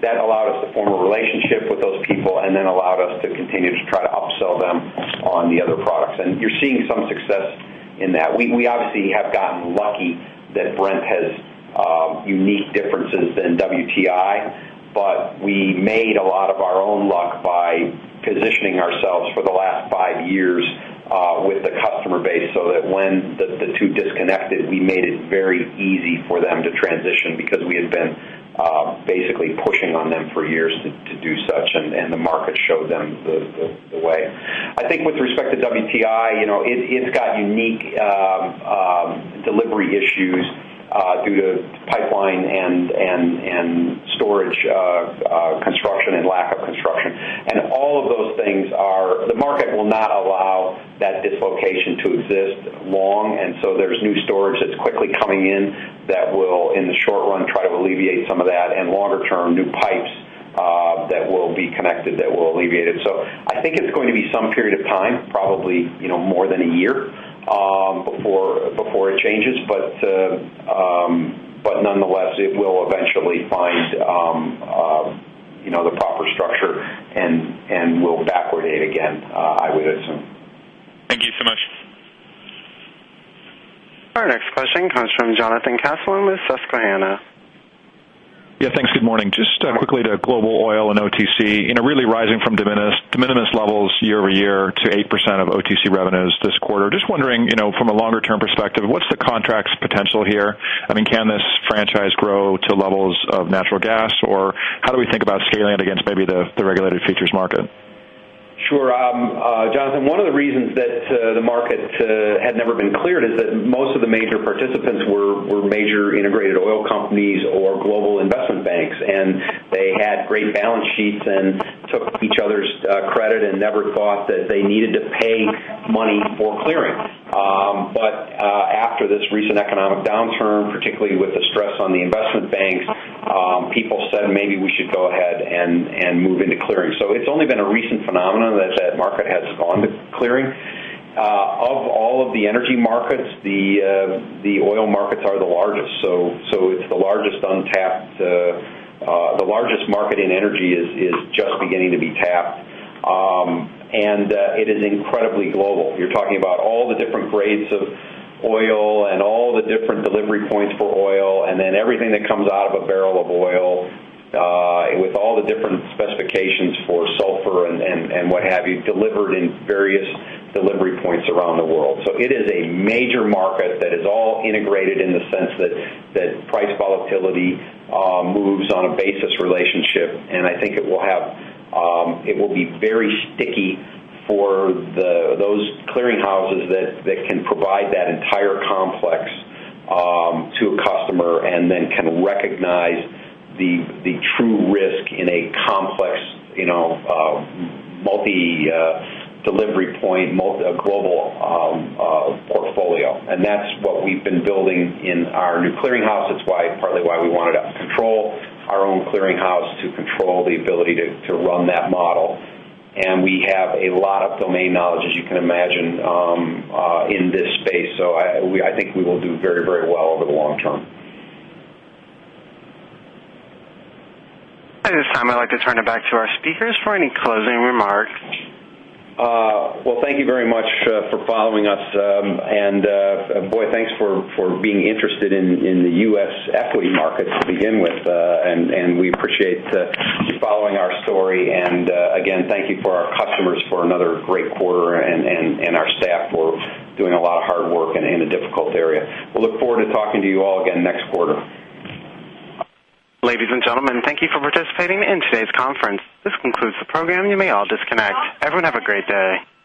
That allowed us to form a relationship with those people and then allowed us to continue to try to upsell them on the other products. You're seeing some success in that. We obviously have gotten lucky that Brent has unique differences than WTI, but we made a lot of our own luck by positioning ourselves for the last five years with the customer base so that when the two disconnected, we made it very easy for them to transition because we had been basically pushing on them for years to do such, and the market showed them the way. I think with respect to WTI, it's got unique delivery issues due to pipeline and storage construction and lack of construction. All of those things are, the market will not allow that dislocation to exist long. There's new storage that's quickly coming in that will, in the short run, try to alleviate some of that. Longer term, new pipes that will be connected will alleviate it. I think it's going to be some period of time, probably more than a year before it changes. Nonetheless, it will eventually find the proper structure and will backwardate again, I would assume. Thank you so much. Our next question comes from Jonathan Casteleyn with Susquehanna. Yeah, thanks. Good morning. Just quickly to global oil and OTC, really rising from de minimis levels year-over-year to 8% of OTC revenues this quarter. Just wondering, from a longer-term perspective, what's the contract's potential here? I mean, can this franchise grow to levels of natural gas, or how do we think about scaling it against maybe the regulated futures market? Sure. Jonathan, one of the reasons that the market had never been cleared is that most of the major participants were major integrated oil companies or global investment banks. They had great balance sheets and took each other's credit and never thought that they needed to pay money for clearing. After this recent economic downturn, particularly with the stress on the investment banks, people said maybe we should go ahead and move into clearing. It's only been a recent phenomenon that that market has gone to clearing. Of all of the energy markets, the oil markets are the largest. It's the largest untapped. The largest market in energy is just beginning to be tapped. It is incredibly global. You're talking about all the different grades of oil and all the different delivery points for oil, and then everything that comes out of a barrel of oil with all the different specifications for sulfur and what have you delivered in various delivery points around the world. It is a major market that is all integrated in the sense that price volatility moves on a basis relationship. I think it will be very sticky for those clearinghouses that can provide that entire complex to a customer and then can recognize the true risk in a complex, multi-delivery point, multi-global portfolio. That's what we've been building in our new clearinghouse. That's partly why we wanted to control our own clearinghouse to control the ability to run that model. We have a lot of domain knowledge, as you can imagine, in this space. I think we will do very, very well over the long term. At this time, I'd like to turn it back to our speakers for any closing remarks. Thank you very much for following us. Thanks for being interested in the U.S. equity market to begin with. We appreciate you following our story. Thank you to our customers for another great quarter and our staff who are doing a lot of hard work in a difficult area. We'll look forward to talking to you all again next quarter. Ladies and gentlemen, thank you for participating in today's conference. This concludes the program. You may all disconnect. Everyone, have a great day.